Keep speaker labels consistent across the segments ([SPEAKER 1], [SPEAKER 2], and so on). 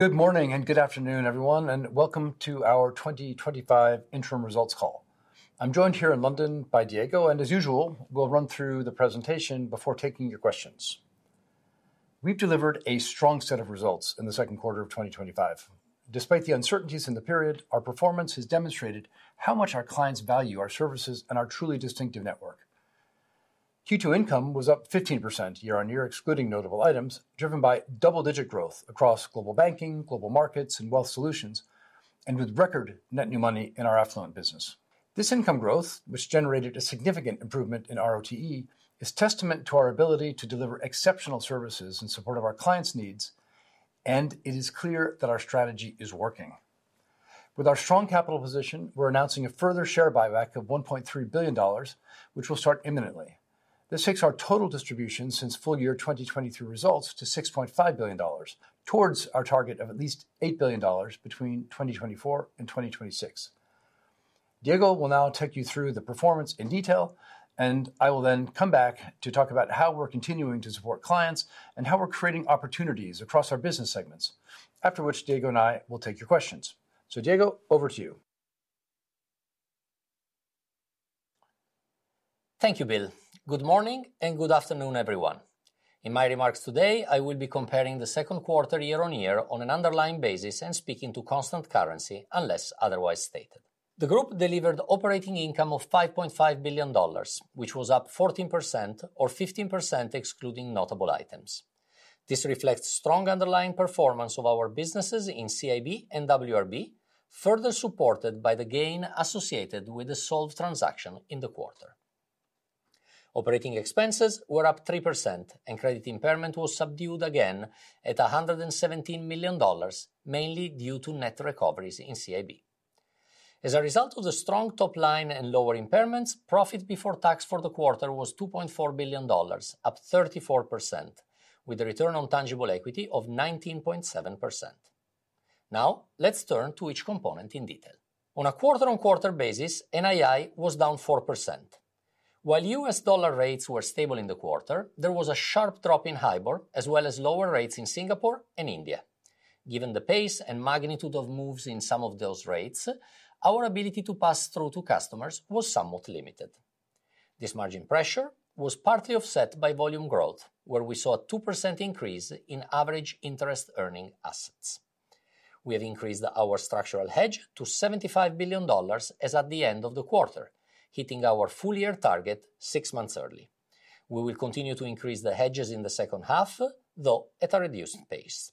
[SPEAKER 1] Good morning and good afternoon, everyone, and welcome to our 2025 Interim Results Call. I'm joined here in London by Diego, and as usual, we'll run through the presentation before taking your questions. We've delivered a strong set of results in the second quarter of 2025. Despite the uncertainties in the period, our performance has demonstrated how much our clients value our services and our truly distinctive network. Q2 income was up 15% year-on-year, excluding notable items, driven by double-digit growth across Global Banking, Global Markets, and Wealth Solutions, and with record net new money in our affluent business. This income growth, which generated a significant improvement in RoTE, is testament to our ability to deliver exceptional services in support of our clients' needs, and it is clear that our strategy is working. With our strong capital position, we're announcing a further share buyback of $1.3 billion, which will start imminently. This takes our total distribution since full-year 2023 results to $6.5 billion, towards our target of at least $8 billion between 2024 and 2026. Diego will now take you through the performance in detail, and I will then come back to talk about how we're continuing to support clients and how we're creating opportunities across our business segments, after which Diego and I will take your questions. Diego, over to you.
[SPEAKER 2] Thank you, Bill. Good morning and good afternoon, everyone. In my remarks today, I will be comparing the second quarter year-on-year on an underlying basis and speaking to constant currency, unless otherwise stated. The group delivered operating income of $5.5 billion, which was up 14% or 15% excluding notable items. This reflects strong underlying performance of our businesses in CIB and WRB, further supported by the gain associated with the sold transaction in the quarter. Operating expenses were up 3%, and credit impairment was subdued again at $117 million, mainly due to net recoveries in CIB. As a result of the strong top line and lower impairments, profit before tax for the quarter was $2.4 billion, up 34%, with a return on tangible equity of 19.7%. Now, let's turn to each component in detail. On a quarter-on-quarter basis, NII was down 4%. While U.S. dollar rates were stable in the quarter, there was a sharp drop in HIBOR, as well as lower rates in Singapore and India. Given the pace and magnitude of moves in some of those rates, our ability to pass through to customers was somewhat limited. This margin pressure was partly offset by volume growth, where we saw a 2% increase in average interest-earning assets. We have increased our structural hedge to $75 billion as at the end of the quarter, hitting our full-year target six months early. We will continue to increase the hedges in the second half, though at a reduced pace.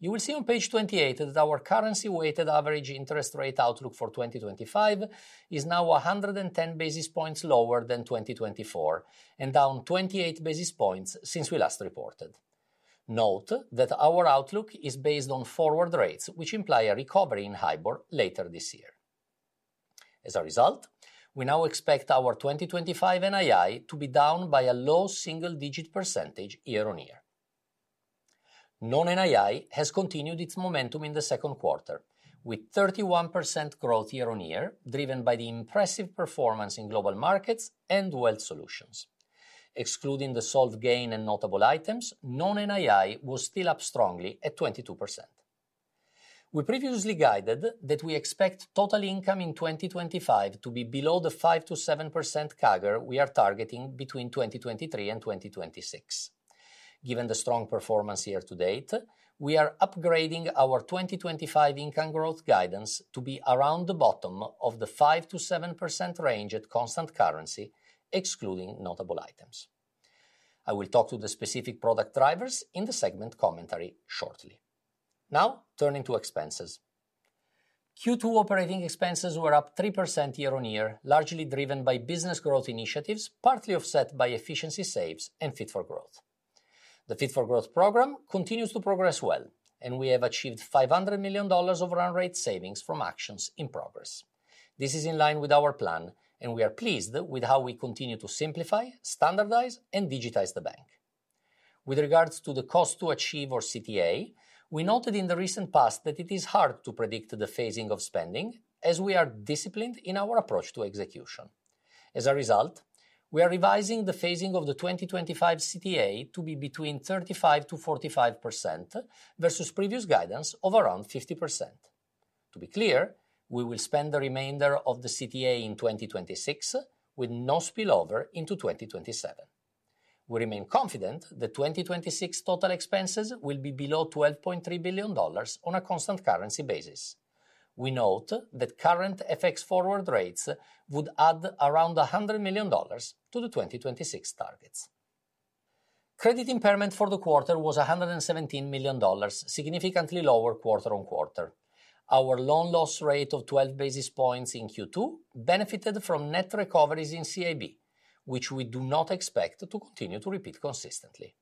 [SPEAKER 2] You will see on page 28 that our currency-weighted average interest rate outlook for 2025 is now 110 basis points lower than 2024, and down 28 basis points since we last reported. Note that our outlook is based on forward rates, which imply a recovery in HIBOR later this year. As a result, we now expect our 2025 NII to be down by a low single-digit % year-on-year. Non-NII has continued its momentum in the second quarter, with 31% growth year-on-year, driven by the impressive performance in global markets and wealth solutions. Excluding the sold gain and notable items, non-NII was still up strongly at 22%. We previously guided that we expect total income in 2025 to be below the 5% to 7% CAGR we are targeting between 2023 and 2026. Given the strong performance year to date, we are upgrading our 2025 income growth guidance to be around the bottom of the 5% to 7% range at constant currency, excluding notable items. I will talk to the specific product drivers in the segment commentary shortly. Now, turning to expenses. Q2 operating expenses were up 3% year-on-year, largely driven by business growth initiatives, partly offset by efficiency saves and Fit for Growth. The Fit for Growth program continues to progress well, and we have achieved $500 million of run-rate savings from actions in progress. This is in line with our plan, and we are pleased with how we continue to simplify, standardize, and digitize the bank. With regards to the cost to achieve, or CTA, we noted in the recent past that it is hard to predict the phasing of spending, as we are disciplined in our approach to execution. As a result, we are revising the phasing of the 2025 CTA to be between 35% to 45% versus previous guidance of around 50%. To be clear, we will spend the remainder of the CTA in 2026, with no spillover into 2027. We remain confident that 2026 total expenses will be below $12.3 billion on a constant currency basis. We note that current FX forward rates would add around $100 million to the 2026 targets. Credit impairment for the quarter was $117 million, significantly lower quarter-on-quarter. Our loan loss rate of 12 basis points in Q2 benefited from net recoveries in CIB, which we do not expect to continue to repeat consistently.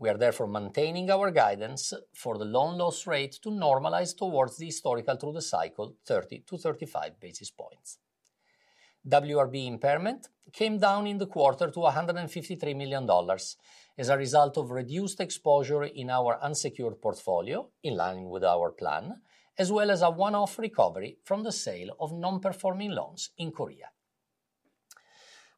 [SPEAKER 2] We are therefore maintaining our guidance for the loan loss rate to normalize towards the historical through-the-cycle 30% to 35% basis points. WRB impairment came down in the quarter to $153 million. As a result of reduced exposure in our unsecured portfolio, in line with our plan, as well as a one-off recovery from the sale of non-performing loans in Korea.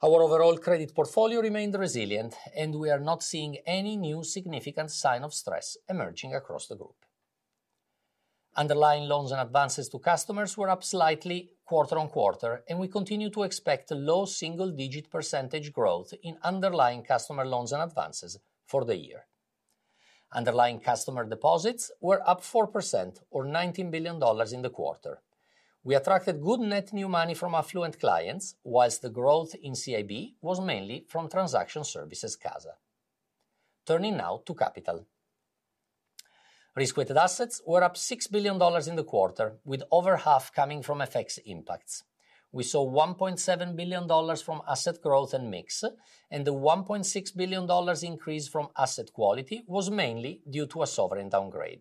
[SPEAKER 2] Our overall credit portfolio remained resilient, and we are not seeing any new significant sign of stress emerging across the group. Underlying loans and advances to customers were up slightly quarter-on-quarter, and we continue to expect low single-digit percentage growth in underlying customer loans and advances for the year. Underlying customer deposits were up 4%, or $19 billion, in the quarter. We attracted good net new money from affluent clients, whilst the growth in CIB was mainly from transaction services (CASA). Turning now to capital. Risk-weighted assets were up $6 billion in the quarter, with over half coming from FX impacts. We saw $1.7 billion from asset growth and mix, and the $1.6 billion increase from asset quality was mainly due to a sovereign downgrade.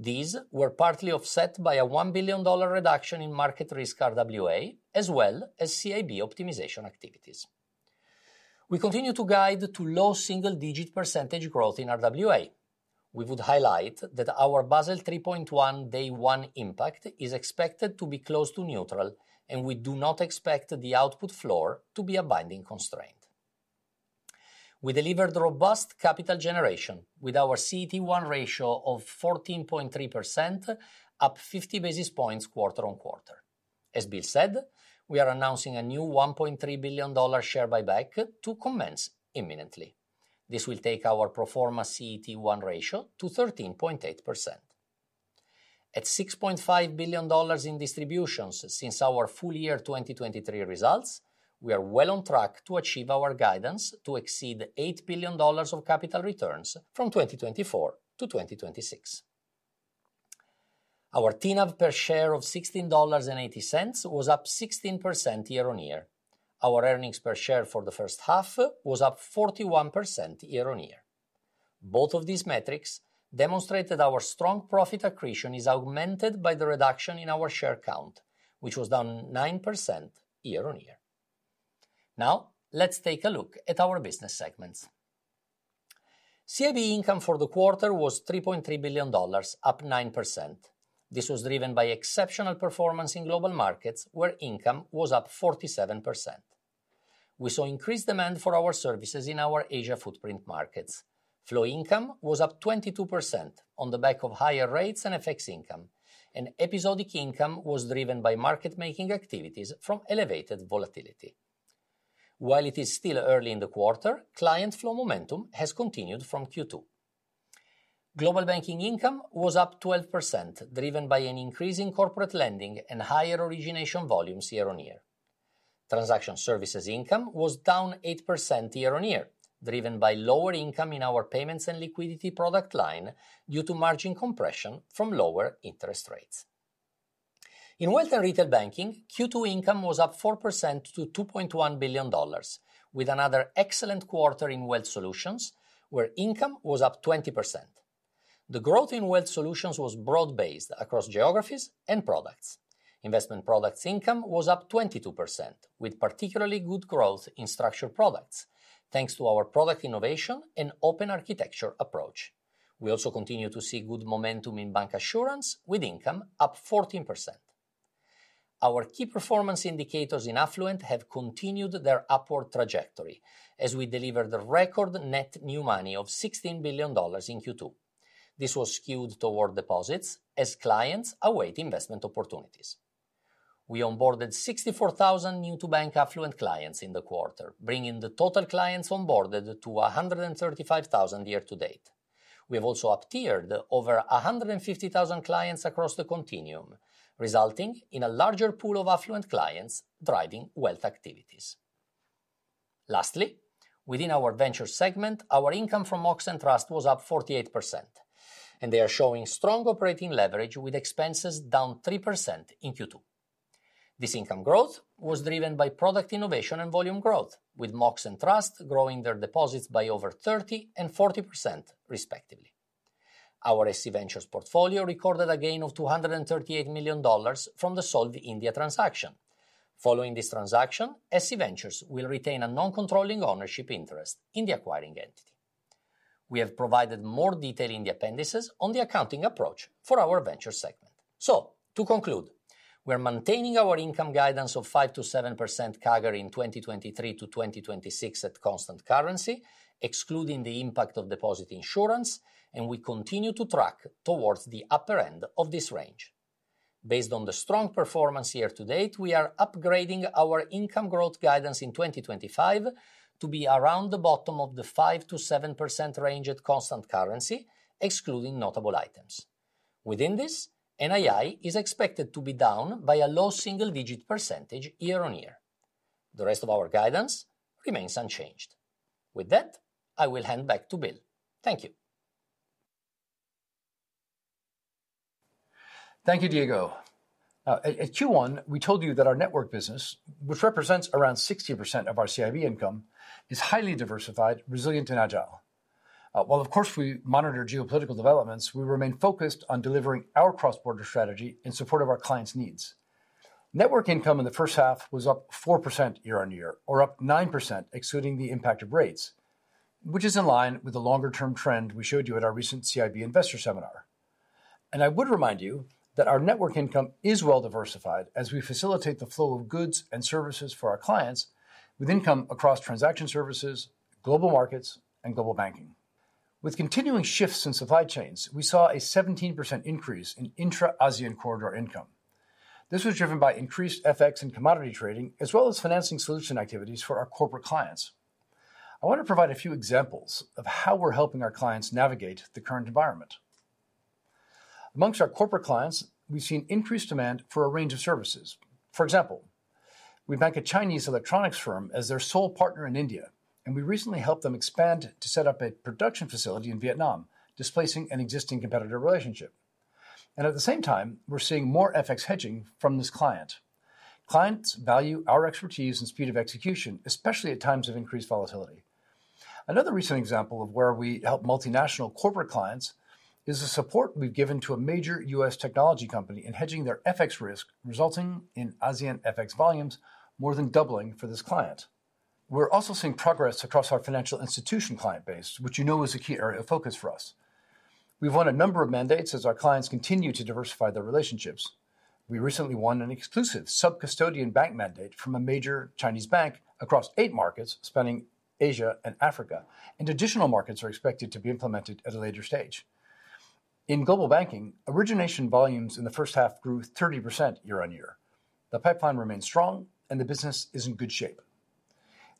[SPEAKER 2] These were partly offset by a $1 billion reduction in market risk RWA as well as CIB optimization activities. We continue to guide to low single-digit percentage growth in RWA. We would highlight that our Basel 3.1 Day 1 impact is expected to be close to neutral, and we do not expect the output floor to be a binding constraint. We delivered robust capital generation with our CET1 ratio of 14.3%, up 50 basis points quarter-on-quarter. As Bill said, we are announcing a new $1.3 billion share buyback to commence imminently. This will take our pro forma CET1 ratio to 13.8%. At $6.5 billion in distributions since our full-year 2023 results, we are well on track to achieve our guidance to exceed $8 billion of capital returns from 2024 to 2026. Our TNAV per share of $16.80 was up 16% year-on-year. Our earnings per share for the first half was up 41% year-on-year. Both of these metrics demonstrate that our strong profit accretion is augmented by the reduction in our share count, which was down 9% year-on-year. Now, let's take a look at our business segments. CIB income for the quarter was $3.3 billion, up 9%. This was driven by exceptional performance in global markets, where income was up 47%. We saw increased demand for our services in our Asia footprint markets. Flow income was up 22% on the back of higher rates and FX income, and episodic income was driven by market-making activities from elevated volatility. While it is still early in the quarter, client flow momentum has continued from Q2. Global banking income was up 12%, driven by an increase in corporate lending and higher origination volumes year-on-year. Transaction services income was down 8% year-on-year, driven by lower income in our payments and liquidity product line due to margin compression from lower interest rates. In wealth and retail banking, Q2 income was up 4% to $2.1 billion, with another excellent quarter in wealth solutions, where income was up 20%. The growth in wealth solutions was broad-based across geographies and products. Investment products income was up 22%, with particularly good growth in structured products, thanks to our product innovation and open architecture approach. We also continue to see good momentum in bancassurance, with income up 14%. Our key performance indicators in affluent have continued their upward trajectory, as we delivered a record net new money of $16 billion in Q2. This was skewed toward deposits, as clients await investment opportunities. We onboarded 64,000 new-to-bank affluent clients in the quarter, bringing the total clients onboarded to 135,000 year-to-date. We have also up-tiered over 150,000 clients across the continuum, resulting in a larger pool of affluent clients driving wealth activities. Lastly, within our venture segment, our income from Mox and Trust was up 48%, and they are showing strong operating leverage, with expenses down 3% in Q2. This income growth was driven by product innovation and volume growth, with Mox and Trust growing their deposits by over 30% and 40%, respectively. Our SC Ventures portfolio recorded a gain of $238 million from the sold India transaction. Following this transaction, SC Ventures will retain a non-controlling ownership interest in the acquiring entity. We have provided more detail in the appendices on the accounting approach for our venture segment. To conclude, we are maintaining our income guidance of 5% to 7% CAGR in 2023 to 2026 at constant currency, excluding the impact of deposit insurance, and we continue to track towards the upper end of this range. Based on the strong performance year-to-date, we are upgrading our income growth guidance in 2025 to be around the bottom of the 5% to 7% range at constant currency, excluding notable items. Within this, NII is expected to be down by a low single-digit percentage year-on-year. The rest of our guidance remains unchanged. With that, I will hand back to Bill. Thank you.
[SPEAKER 1] Thank you, Diego. At Q1, we told you that our network business, which represents around 60% of our CIB income, is highly diversified, resilient, and agile. While, of course, we monitor geopolitical developments, we remain focused on delivering our cross-border strategy in support of our clients' needs. Network income in the first half was up 4% year-on-year, or up 9% excluding the impact of rates, which is in line with the longer-term trend we showed you at our recent CIB Investor Seminar. I would remind you that our network income is well diversified as we facilitate the flow of goods and services for our clients, with income across transaction services, global markets, and global banking. With continuing shifts in supply chains, we saw a 17% increase in intra-ASEAN corridor income. This was driven by increased FX and commodity trading, as well as financing solution activities for our corporate clients. I want to provide a few examples of how we're helping our clients navigate the current environment. Amongst our corporate clients, we've seen increased demand for a range of services. For example, we bank a Chinese electronics firm as their sole partner in India, and we recently helped them expand to set up a production facility in Vietnam, displacing an existing competitor relationship. At the same time, we're seeing more FX hedging from this client. Clients value our expertise and speed of execution, especially at times of increased volatility. Another recent example of where we help multinational corporate clients is the support we've given to a major U.S. technology company in hedging their FX risk, resulting in ASEAN FX volumes more than doubling for this client. We're also seeing progress across our financial institution client base, which you know is a key area of focus for us. We've won a number of mandates as our clients continue to diversify their relationships. We recently won an exclusive sub-custodian bank mandate from a major Chinese bank across eight markets, spanning Asia and Africa, and additional markets are expected to be implemented at a later stage. In global banking, origination volumes in the first half grew 30% year-on-year. The pipeline remains strong, and the business is in good shape.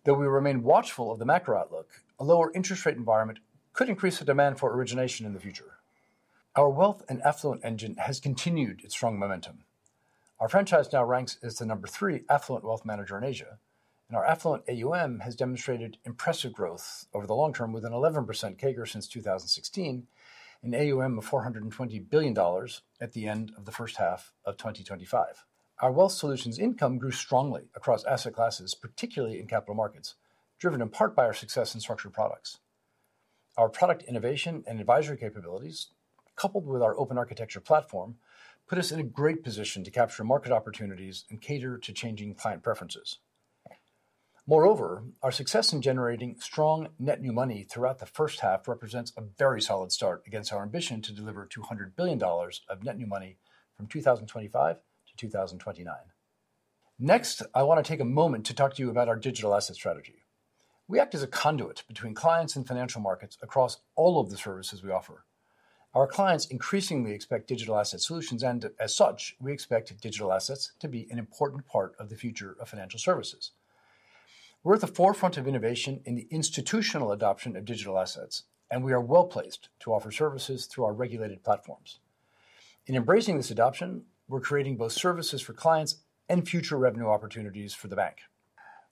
[SPEAKER 1] Though we remain watchful of the macro outlook, a lower interest rate environment could increase the demand for origination in the future. Our wealth and affluent engine has continued its strong momentum. Our franchise now ranks as the number three affluent wealth manager in Asia, and our affluent AUM has demonstrated impressive growth over the long term, with an 11% CAGR since 2016 and an AUM of $420 billion at the end of the first half of 2025. Our wealth solutions income grew strongly across asset classes, particularly in capital markets, driven in part by our success in structured products. Our product innovation and advisory capabilities, coupled with our open architecture platform, put us in a great position to capture market opportunities and cater to changing client preferences. Moreover, our success in generating strong net new money throughout the first half represents a very solid start against our ambition to deliver $200 billion of net new money from 2025 to 2029. Next, I want to take a moment to talk to you about our digital asset strategy. We act as a conduit between clients and financial markets across all of the services we offer. Our clients increasingly expect digital asset solutions, and as such, we expect digital assets to be an important part of the future of financial services. We're at the forefront of innovation in the institutional adoption of digital assets, and we are well placed to offer services through our regulated platforms. In embracing this adoption, we're creating both services for clients and future revenue opportunities for the bank.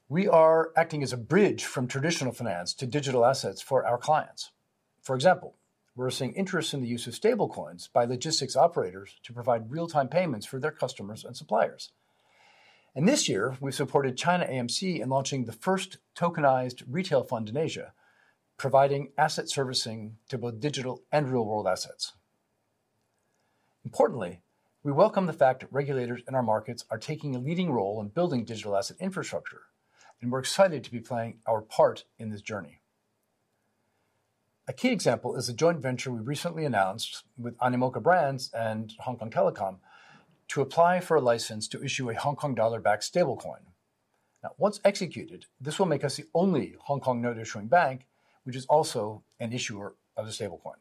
[SPEAKER 1] We are acting as a bridge from traditional finance to digital assets for our clients. For example, we're seeing interest in the use of stablecoins by logistics operators to provide real-time payments for their customers and suppliers. This year, we supported China AMC in launching the first tokenised retail fund in Asia, providing asset servicing to both digital and real-world assets. Importantly, we welcome the fact that regulators in our markets are taking a leading role in building digital asset infrastructure, and we're excited to be playing our part in this journey. A key example is a joint venture we recently announced with Animoca Brands and Hong Kong Telecom to apply for a license to issue a Hong Kong dollar-backed stablecoin. Once executed, this will make us the only Hong Kong not-issuing bank, which is also an issuer of a stablecoin.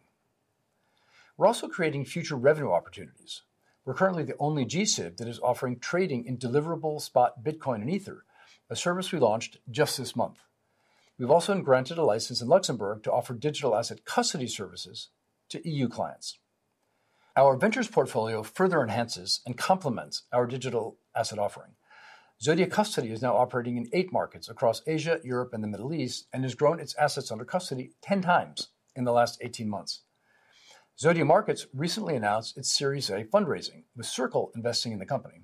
[SPEAKER 1] We're also creating future revenue opportunities. We're currently the only GSIB that is offering trading in deliverable spot Bitcoin and Ether, a service we launched just this month. We've also been granted a license in Luxembourg to offer digital asset custody services to EU clients. Our ventures portfolio further enhances and complements our digital asset offering. Zodia Custody is now operating in eight markets across Asia, Europe, and the Middle East, and has grown its assets under custody 10 times in the last 18 months. Zodia Markets recently announced its Series A fundraising, with Circle investing in the company.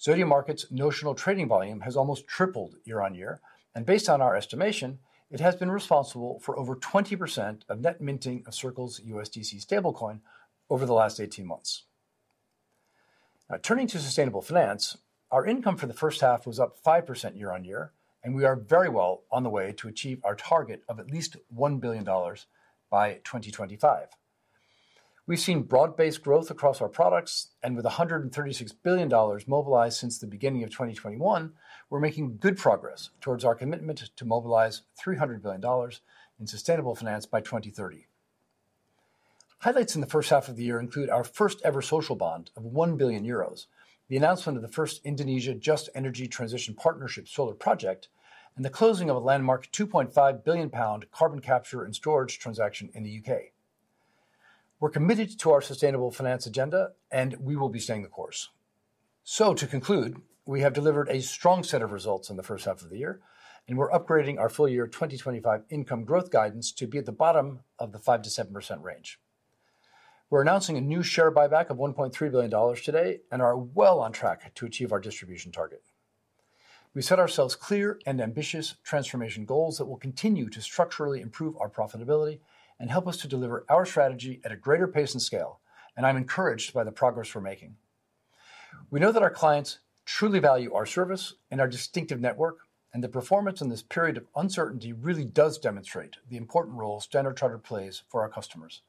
[SPEAKER 1] Zodia Markets' notional trading volume has almost tripled year-on-year, and based on our estimation, it has been responsible for over 20% of net minting of Circle's USDC stablecoin over the last 18 months. Now, turning to sustainable finance, our income for the first half was up 5% year-on-year, and we are very well on the way to achieve our target of at least $1 billion by 2025. We've seen broad-based growth across our products, and with $136 billion mobilized since the beginning of 2021, we're making good progress towards our commitment to mobilize $300 billion in sustainable finance by 2030. Highlights in the first half of the year include our first-ever social bond of 1 billion euros, the announcement of the first Indonesia Just Energy Transition Partnership solar project, and the closing of a landmark 2.5 billion pound carbon capture and storage transaction in the U.K. We're committed to our sustainable finance agenda, and we will be staying the course. To conclude, we have delivered a strong set of results in the first half of the year, and we're upgrading our full-year 2025 income growth guidance to be at the bottom of the 5% to 7% range. We're announcing a new share buyback of $1.3 billion today and are well on track to achieve our distribution target. We set ourselves clear and ambitious transformation goals that will continue to structurally improve our profitability and help us to deliver our strategy at a greater pace and scale, and I'm encouraged by the progress we're making. We know that our clients truly value our service and our distinctive network, and the performance in this period of uncertainty really does demonstrate the important role Standard Chartered plays for our customers.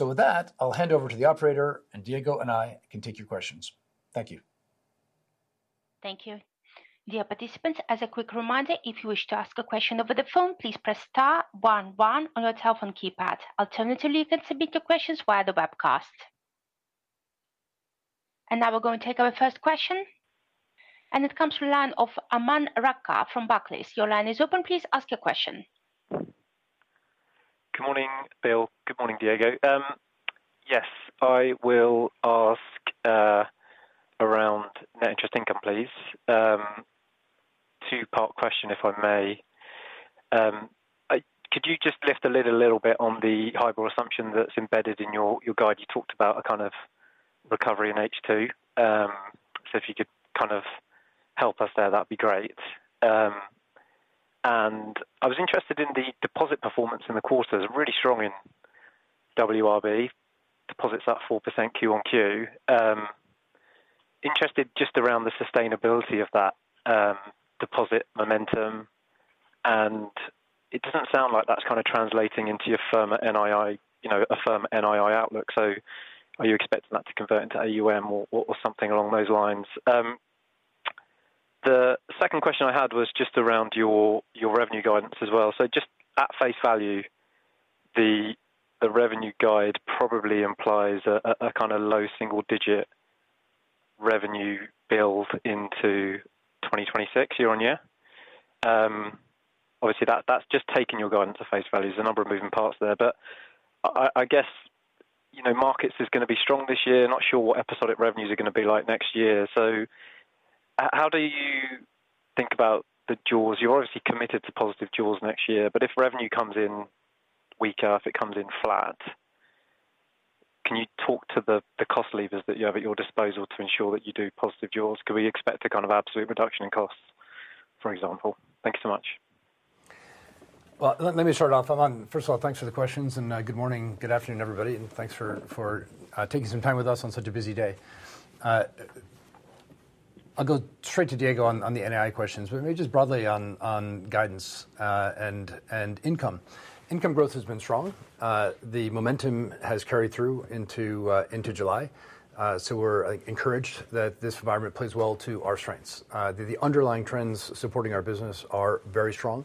[SPEAKER 1] With that, I'll hand over to the operator, and Diego and I can take your questions. Thank you.
[SPEAKER 3] Thank you. Dear participants, as a quick reminder, if you wish to ask a question over the phone, please press star one one on your telephone keypad. Alternatively, you can submit your questions via the webcast. We are going to take our first question. It comes from the line of Aman Rakkar from Barclays. Your line is open. Please ask your question.
[SPEAKER 4] Good morning, Bill. Good morning, Diego. I will ask around net interest income, please. Two-part question, if I may. Could you just lift the lid a little bit on the highball assumption that's embedded in your guide? You talked about a kind of recovery in H2. If you could kind of help us there, that'd be great. I was interested in the deposit performance in the quarters. Really strong in WRB, deposits up 4% Q on Q. Interested just around the sustainability of that deposit momentum. It doesn't sound like that's kind of translating into a firm NII outlook. Are you expecting that to convert into AUM or something along those lines? The second question I had was just around your revenue guidance as well. Just at face value, the revenue guide probably implies a kind of low single-digit revenue build into 2026 year-on-year. Obviously, that's just taking your guidance at face value. There's a number of moving parts there. I guess markets is going to be strong this year. Not sure what episodic revenues are going to be like next year. How do you think about the jaws? You're obviously committed to positive jaws next year, but if revenue comes in weaker, if it comes in flat, can you talk to the cost levers that you have at your disposal to ensure that you do positive jaws? Could we expect a kind of absolute reduction in costs, for example? Thank you so much.
[SPEAKER 1] First of all, thanks for the questions, and good morning, good afternoon, everybody, and thanks for taking some time with us on such a busy day. I'll go straight to Diego on the NII questions, but maybe just broadly on guidance and income. Income growth has been strong. The momentum has carried through into July. We're encouraged that this environment plays well to our strengths. The underlying trends supporting our business are very strong,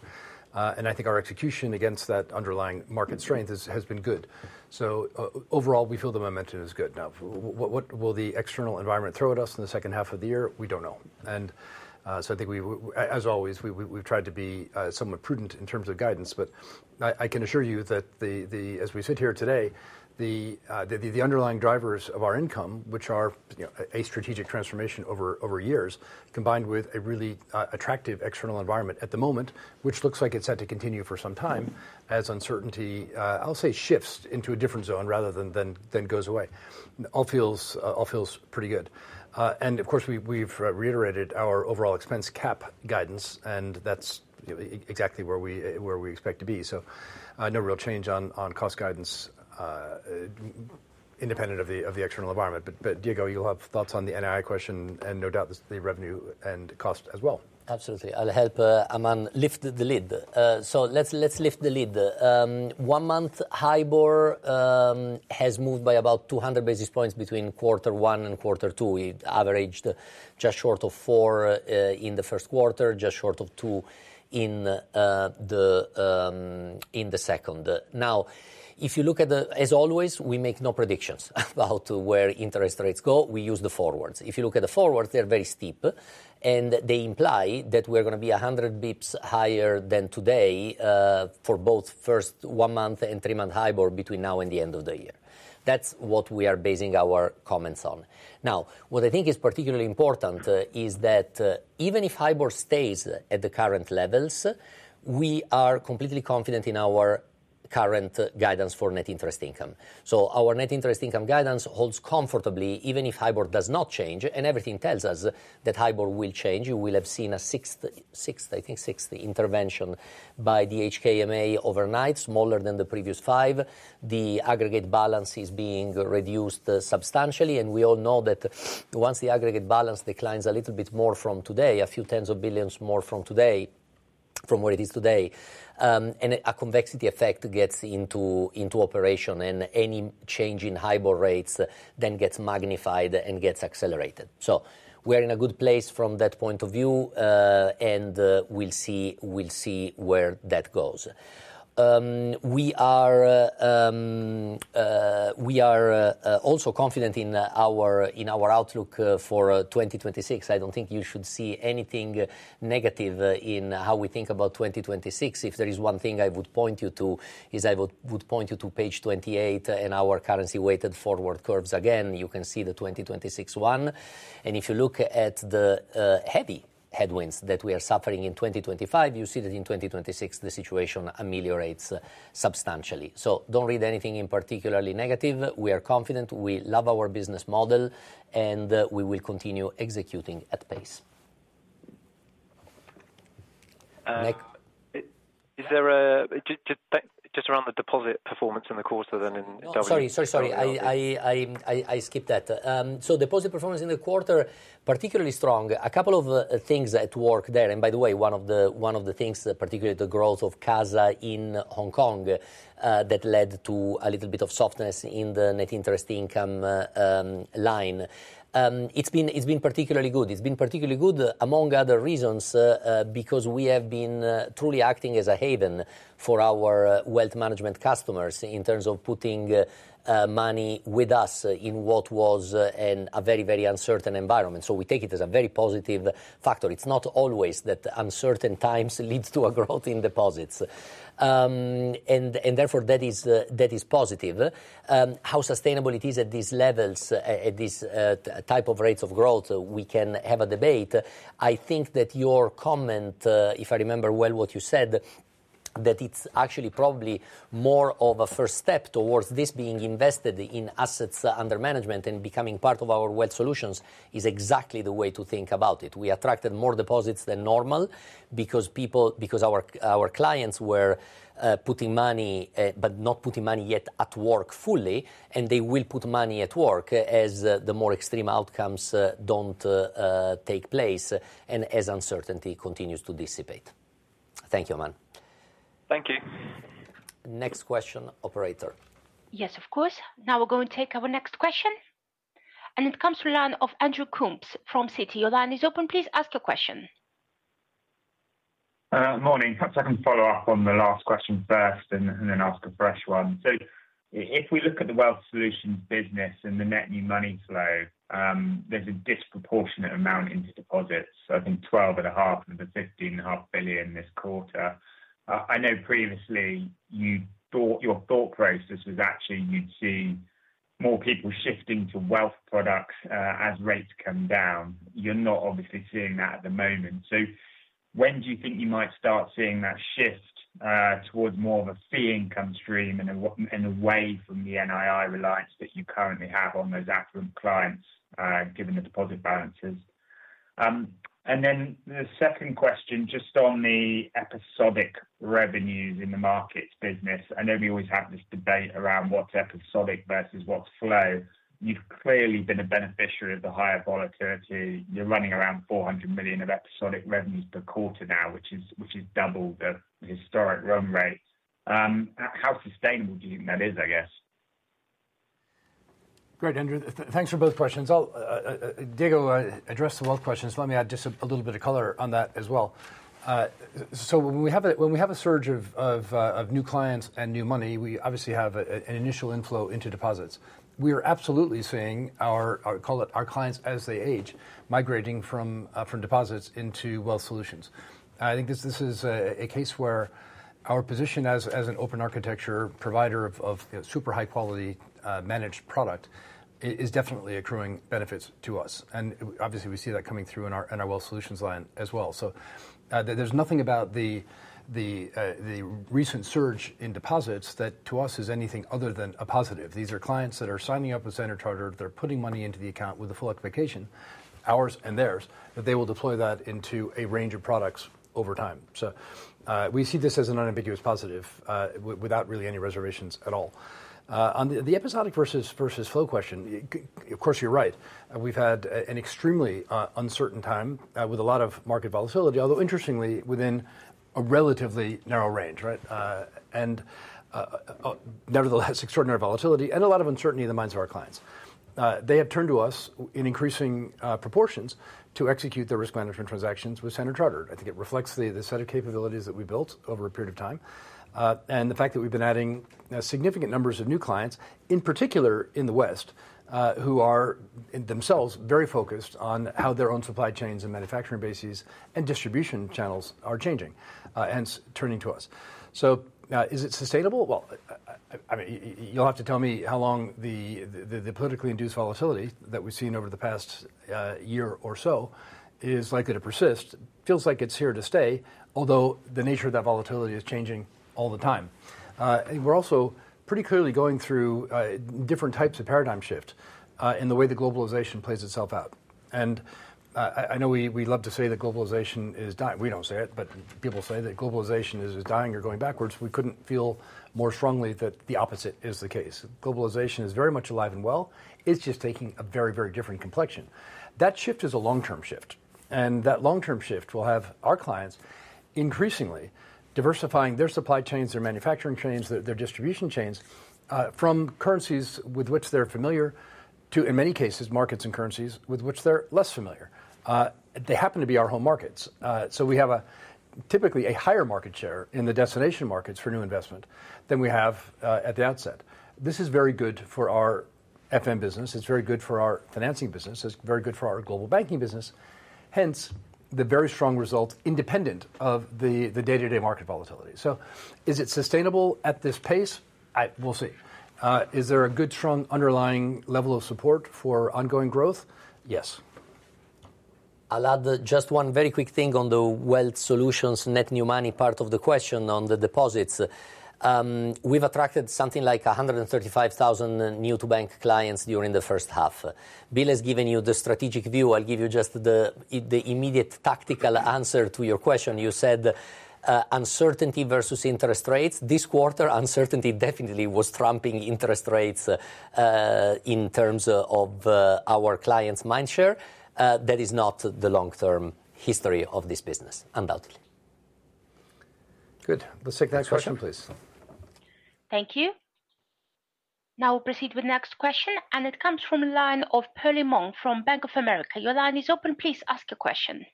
[SPEAKER 1] and I think our execution against that underlying market strength has been good. Overall, we feel the momentum is good. Now, what will the external environment throw at us in the second half of the year? We don't know. I think, as always, we've tried to be somewhat prudent in terms of guidance, but I can assure you that as we sit here today, the underlying drivers of our income, which are a strategic transformation over years, combined with a really attractive external environment at the moment, which looks like it's set to continue for some time as uncertainty, I'll say, shifts into a different zone rather than goes away, all feels pretty good. Of course, we've reiterated our overall expense cap guidance, and that's exactly where we expect to be. No real change on cost guidance, independent of the external environment. Diego, you'll have thoughts on the NII question, and no doubt the revenue and cost as well.
[SPEAKER 2] Absolutely. I'll help Aman lift the lid. Let's lift the lid. One-month HIBOR has moved by about 200 basis points between quarter one and quarter two. It averaged just short of four in the first quarter, just short of two in the second. If you look at the, as always, we make no predictions about where interest rates go. We use the forwards. If you look at the forwards, they're very steep, and they imply that we're going to be 100 bps higher than today for both first one-month and three-month HIBOR between now and the end of the year. That's what we are basing our comments on. What I think is particularly important is that even if HIBOR stays at the current levels, we are completely confident in our current guidance for net interest income. Our net interest income guidance holds comfortably even if HIBOR does not change, and everything tells us that HIBOR will change. You will have seen a sixth, I think, sixth intervention by the HKMA overnight, smaller than the previous five. The aggregate balance is being reduced substantially, and we all know that once the aggregate balance declines a little bit more from today, a few tens of billions more from where it is today, a convexity effect gets into operation, and any change in HIBOR rates then gets magnified and gets accelerated. We're in a good place from that point of view, and we'll see where that goes. We are also confident in our outlook for 2026. I don't think you should see anything negative in how we think about 2026. If there is one thing I would point you to, I would point you to page 28 and our currency-weighted forward curves. You can see the 2026 one. If you look at the heavy headwinds that we are suffering in 2025, you see that in 2026, the situation ameliorates substantially. Don't read anything in particularly negative. We are confident. We love our business model, and we will continue executing at pace.
[SPEAKER 4] Is there, just around the deposit performance in the quarter, then in W?
[SPEAKER 2] Sorry, I skipped that. Deposit performance in the quarter was particularly strong. A couple of things at work there. By the way, one of the things, particularly the growth of CASA in Hong Kong, led to a little bit of softness in the net interest income line. It's been particularly good among other reasons because we have been truly acting as a haven for our wealth management customers in terms of putting money with us in what was a very, very uncertain environment. We take it as a very positive factor. It's not always that uncertain times lead to a growth in deposits, and therefore, that is positive. How sustainable it is at these levels, at these types of rates of growth, we can have a debate. I think that your comment, if I remember well what you said, that it's actually probably more of a first step towards this being invested in assets under management and becoming part of our wealth solutions, is exactly the way to think about it. We attracted more deposits than normal because our clients were putting money, but not putting money yet at work fully, and they will put money at work as the more extreme outcomes don't take place and as uncertainty continues to dissipate. Thank you, Aman.
[SPEAKER 4] Thank you.
[SPEAKER 2] Next question, operator.
[SPEAKER 3] Yes, of course. Now we're going to take our next question. It comes from the line of Andrew Coombs from Citi. Your line is open. Please ask your question.
[SPEAKER 5] Morning. Perhaps I can follow up on the last question first and then ask a fresh one. If we look at the wealth solutions business and the net new money flow, there's a disproportionate amount into deposits. I think $12.5 billion of the $15.5 billion this quarter. I know previously your thought process was actually you'd see more people shifting to wealth products as rates come down. You're not obviously seeing that at the moment. When do you think you might start seeing that shift towards more of a fee income stream and away from the NII reliance that you currently have on those affluent clients given the deposit balances? The second question, just on the episodic revenues in the markets business, I know we always have this debate around what's episodic versus what's flow. You've clearly been a beneficiary of the higher volatility. You're running around $400 million of episodic revenues per quarter now, which is double the historic run rate. How sustainable do you think that is, I guess?
[SPEAKER 1] Great, Andrew. Thanks for both questions. Diego, address the wealth questions. Let me add just a little bit of color on that as well. When we have a surge of new clients and new money, we obviously have an initial inflow into deposits. We are absolutely seeing our clients, as they age, migrating from deposits into wealth solutions. I think this is a case where our position as an open architecture provider of super high-quality managed product is definitely accruing benefits to us. We see that coming through in our wealth solutions line as well. There is nothing about the recent surge in deposits that to us is anything other than a positive. These are clients that are signing up with Standard Chartered. They're putting money into the account with a full equification, ours and theirs, that they will deploy that into a range of products over time. We see this as an unambiguous positive without really any reservations at all. On the episodic versus flow question, of course, you're right. We've had an extremely uncertain time with a lot of market volatility, although interestingly, within a relatively narrow range, right? Nevertheless, extraordinary volatility and a lot of uncertainty in the minds of our clients. They have turned to us in increasing proportions to execute their risk management transactions with Standard Chartered. I think it reflects the set of capabilities that we built over a period of time. The fact that we've been adding significant numbers of new clients, in particular in the West, who are themselves very focused on how their own supply chains and manufacturing bases and distribution channels are changing, hence turning to us. Is it sustainable? You will have to tell me how long the politically induced volatility that we've seen over the past year or so is likely to persist. Feels like it's here to stay, although the nature of that volatility is changing all the time. We are also pretty clearly going through different types of paradigm shift in the way that globalization plays itself out. I know we love to say that globalization is dying. We don't say it, but people say that globalization is dying or going backwards. We couldn't feel more strongly that the opposite is the case. Globalization is very much alive and well. It's just taking a very, very different complexion. That shift is a long-term shift. That long-term shift will have our clients increasingly diversifying their supply chains, their manufacturing chains, their distribution chains from currencies with which they're familiar to, in many cases, markets and currencies with which they're less familiar. They happen to be our home markets. We have typically a higher market share in the destination markets for new investment than we have at the outset. This is very good for our FM business, very good for our financing business, and very good for our Global Banking business. Hence, the very strong result independent of the day-to-day market volatility. Is it sustainable at this pace? We'll see. Is there a good, strong underlying level of support for ongoing growth? Yes.
[SPEAKER 2] I'll add just one very quick thing on the wealth solutions, net new money part of the question on the deposits. We've attracted something like 135,000 new-to-bank clients during the first half. Bill has given you the strategic view. I'll give you just the immediate tactical answer to your question. You said uncertainty versus interest rates. This quarter, uncertainty definitely was trumping interest rates in terms of our clients' mind share. That is not the long-term history of this business, undoubtedly.
[SPEAKER 5] Good.
[SPEAKER 1] Let's take the next question, please.
[SPEAKER 3] Thank you. Now we'll proceed with the next question. It comes from the line of Perlie Mong from Bank of America. Your line is open. Please ask your question.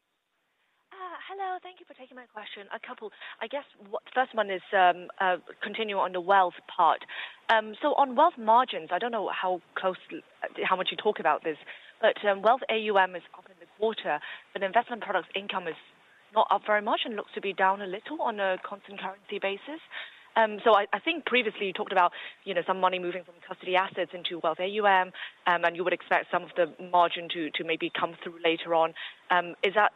[SPEAKER 6] Hello. Thank you for taking my question. A couple, I guess. The first one is continuing on the wealth part. On wealth margins, I don't know how close, how much you talk about this, but wealth AUM is up in the quarter, but investment products income is not up very much and looks to be down a little on a constant currency basis. I think previously you talked about some money moving from custody assets into wealth AUM, and you would expect some of the margin to maybe come through later on. Is that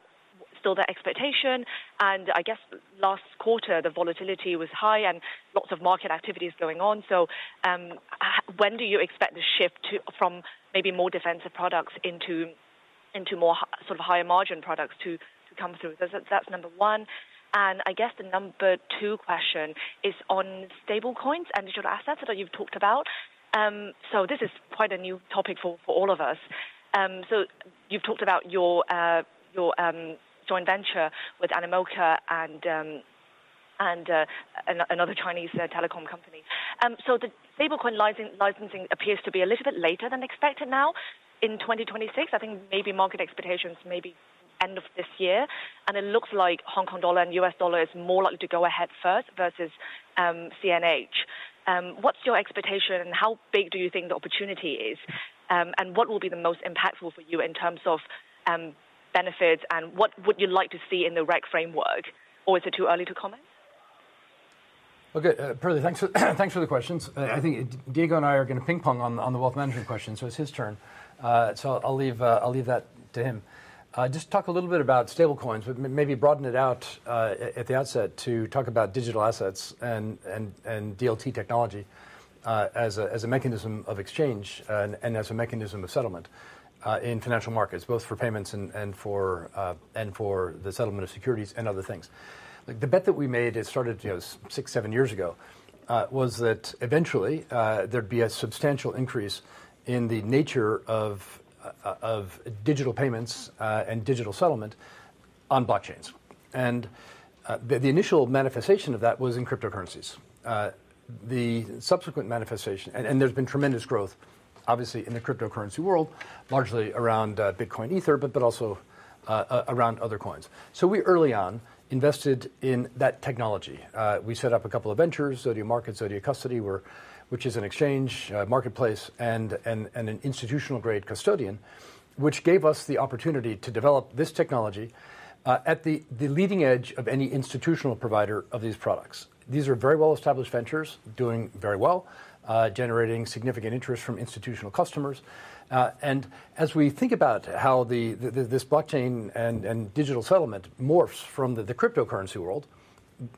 [SPEAKER 6] still the expectation? I guess last quarter, the volatility was high and lots of market activity is going on. When do you expect the shift from maybe more defensive products into more sort of higher margin products to come through? That's number one. I guess the number two question is on stablecoins and digital assets that you've talked about. This is quite a new topic for all of us. You've talked about your joint venture with Animoca Brands and another Chinese telecom company. The stablecoin licensing appears to be a little bit later than expected now in 2026. I think maybe market expectations may be end of this year. It looks like Hong Kong dollar and US dollar is more likely to go ahead first versus CNH. What's your expectation and how big do you think the opportunity is? What will be the most impactful for you in terms of benefits and what would you like to see in the REC framework? Or is it too early to comment?
[SPEAKER 1] Okay. Perlie, thanks for the questions. I think Diego and I are going to ping pong on the wealth management question, so it's his turn. I'll leave that to him. Just talk a little bit about stablecoins, but maybe broaden it out at the outset to talk about digital assets and DLT technology. As a mechanism of exchange and as a mechanism of settlement in financial markets, both for payments and for the settlement of securities and other things. The bet that we made that started six, seven years ago was that eventually there'd be a substantial increase in the nature of digital payments and digital settlement on blockchains. The initial manifestation of that was in cryptocurrencies. The subsequent manifestation, and there's been tremendous growth, obviously, in the cryptocurrency world, largely around Bitcoin, Ether, but also around other coins. We early on invested in that technology. We set up a couple of ventures, Zodia Markets, Zodia Custody, which is an exchange marketplace and an institutional-grade custodian, which gave us the opportunity to develop this technology at the leading edge of any institutional provider of these products. These are very well-established ventures doing very well, generating significant interest from institutional customers. As we think about how this blockchain and digital settlement morphs from the cryptocurrency world,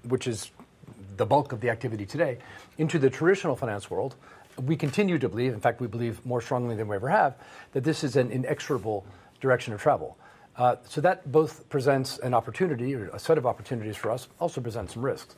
[SPEAKER 1] which is the bulk of the activity today, into the traditional finance world, we continue to believe, in fact, we believe more strongly than we ever have, that this is an inexorable direction of travel. That both presents an opportunity, a set of opportunities for us, also presents some risks.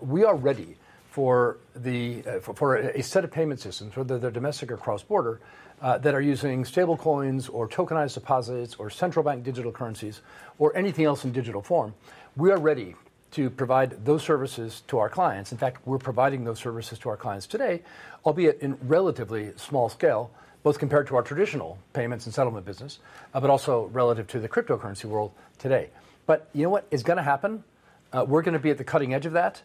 [SPEAKER 1] We are ready for a set of payment systems, whether they're domestic or cross-border, that are using stablecoins or tokenized deposits or central bank digital currencies or anything else in digital form. We are ready to provide those services to our clients. In fact, we're providing those services to our clients today, albeit in relatively small scale, both compared to our traditional payments and settlement business, but also relative to the cryptocurrency world today. You know what is going to happen? We're going to be at the cutting edge of that.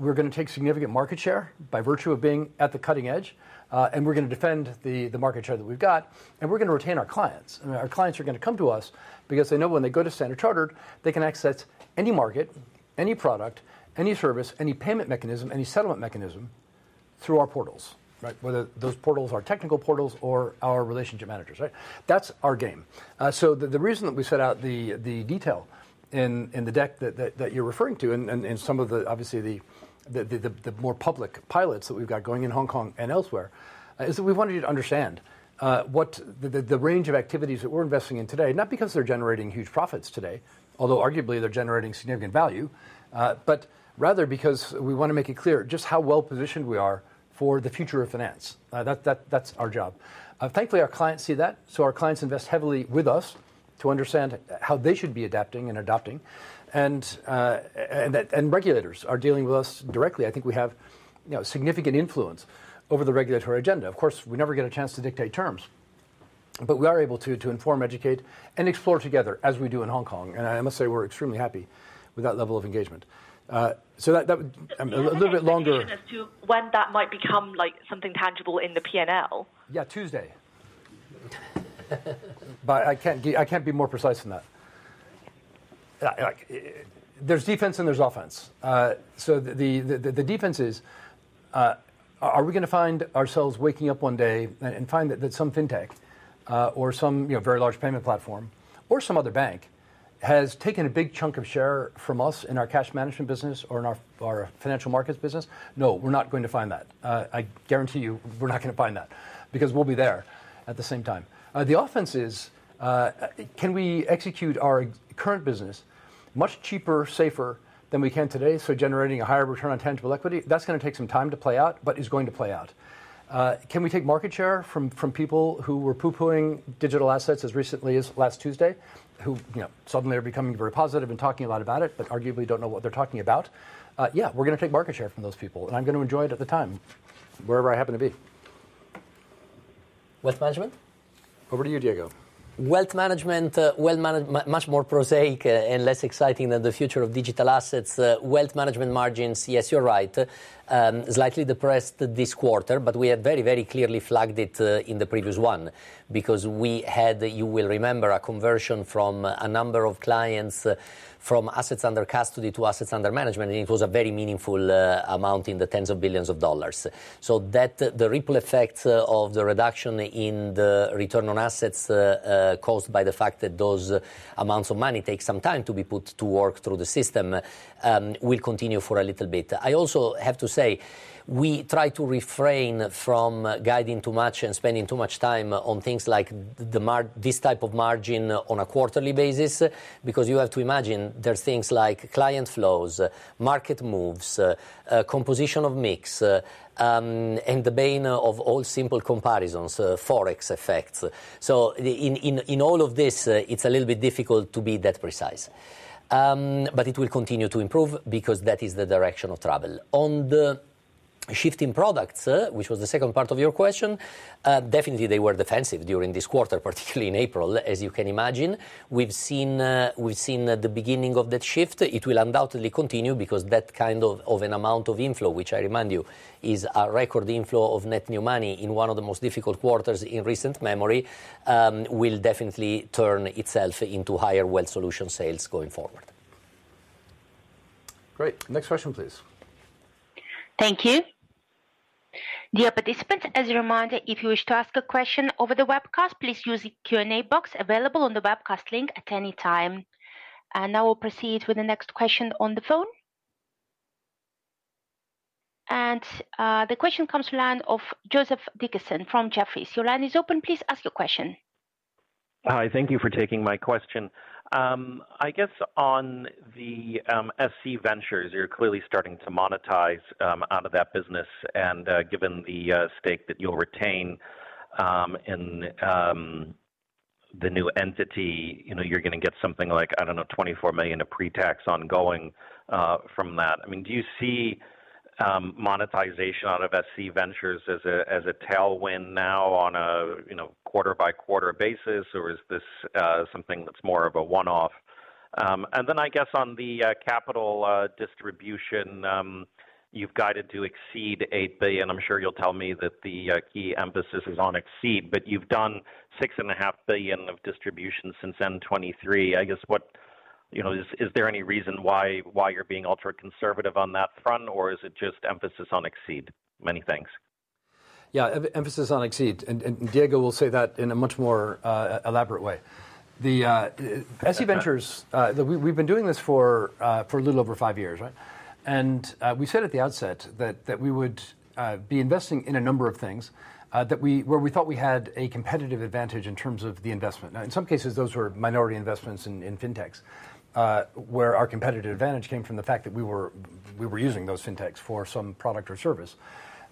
[SPEAKER 1] We're going to take significant market share by virtue of being at the cutting edge. We're going to defend the market share that we've got. We're going to retain our clients. Our clients are going to come to us because they know when they go to Standard Chartered, they can access any market, any product, any service, any payment mechanism, any settlement mechanism through our portals, right? Whether those portals are technical portals or our relationship managers, right? That's our game. The reason that we set out the detail in the deck that you're referring to and some of the, obviously, the more public pilots that we've got going in Hong Kong and elsewhere is that we wanted you to understand the range of activities that we're investing in today, not because they're generating huge profits today, although arguably they're generating significant value, but rather because we want to make it clear just how well-positioned we are for the future of finance. That's our job. Thankfully, our clients see that. Our clients invest heavily with us to understand how they should be adapting and adopting. Regulators are dealing with us directly. I think we have significant influence over the regulatory agenda. Of course, we never get a chance to dictate terms, but we are able to inform, educate, and explore together as we do in Hong Kong. I must say we're extremely happy with that level of engagement. A little bit longer.
[SPEAKER 6] When that might become like something tangible in the P&L?
[SPEAKER 1] Yeah, Tuesday. I can't be more precise than that. There's defense and there's offense. The defense is, are we going to find ourselves waking up one day and find that some fintech or some very large payment platform or some other bank has taken a big chunk of share from us in our cash management business or in our financial markets business? No, we're not going to find that. I guarantee you we're not going to find that because we'll be there at the same time. The offense is, can we execute our current business much cheaper, safer than we can today, generating a higher return on tangible equity? That's going to take some time to play out, but it is going to play out. Can we take market share from people who were pooh-poohing digital assets as recently as last Tuesday, who suddenly are becoming very positive and talking a lot about it, but arguably don't know what they're talking about? Yeah, we're going to take market share from those people. I'm going to enjoy it at the time, wherever I happen to be.
[SPEAKER 2] Wealth management?
[SPEAKER 1] Over to you, Diego.
[SPEAKER 2] Wealth management, much more prosaic and less exciting than the future of digital assets. Wealth management margins, yes, you're right, slightly depressed this quarter, but we have very, very clearly flagged it in the previous one because we had, you will remember, a conversion from a number of clients from assets under custody to assets under management. It was a very meaningful amount in the tens of billions of dollars. The ripple effect of the reduction in the return on assets caused by the fact that those amounts of money take some time to be put to work through the system will continue for a little bit. I also have to say we try to refrain from guiding too much and spending too much time on things like this type of margin on a quarterly basis because you have to imagine there are things like client flows, market moves, composition of mix, and the bane of all simple comparisons, Forex effects. In all of this, it's a little bit difficult to be that precise. It will continue to improve because that is the direction of travel. On the shift in products, which was the second part of your question, definitely they were defensive during this quarter, particularly in April, as you can imagine. We've seen the beginning of that shift. It will undoubtedly continue because that kind of an amount of inflow, which I remind you is a record inflow of net new money in one of the most difficult quarters in recent memory, will definitely turn itself into higher wealth solution sales going forward.
[SPEAKER 1] Great. Next question, please.
[SPEAKER 3] Thank you. Dear participants, as a reminder, if you wish to ask a question over the webcast, please use the Q&A box available on the webcast link at any time. We will proceed with the next question on the phone. The question comes from the line of Joseph Dickerson from Jefferies. Your line is open. Please ask your question.
[SPEAKER 7] Hi. Thank you for taking my question. I guess on the SC Ventures, you're clearly starting to monetize out of that business. Given the stake that you'll retain in the new entity, you're going to get something like, I don't know, $24 million of pre-tax ongoing from that. Do you see monetization out of SC Ventures as a tailwind now on a quarter-by-quarter basis, or is this something that's more of a one-off? I guess on the capital distribution, you've guided to exceed $8 billion. I'm sure you'll tell me that the key emphasis is on exceed, but you've done $6.5 billion of distribution since 2023. Is there any reason why you're being ultra-conservative on that front, or is it just emphasis on exceed? Many thanks.
[SPEAKER 1] Yeah, emphasis on exceed. Diego will say that in a much more elaborate way. SC Ventures, we've been doing this for a little over five years, right? We said at the outset that we would be investing in a number of things where we thought we had a competitive advantage in terms of the investment. In some cases, those were minority investments in fintechs where our competitive advantage came from the fact that we were using those fintechs for some product or service.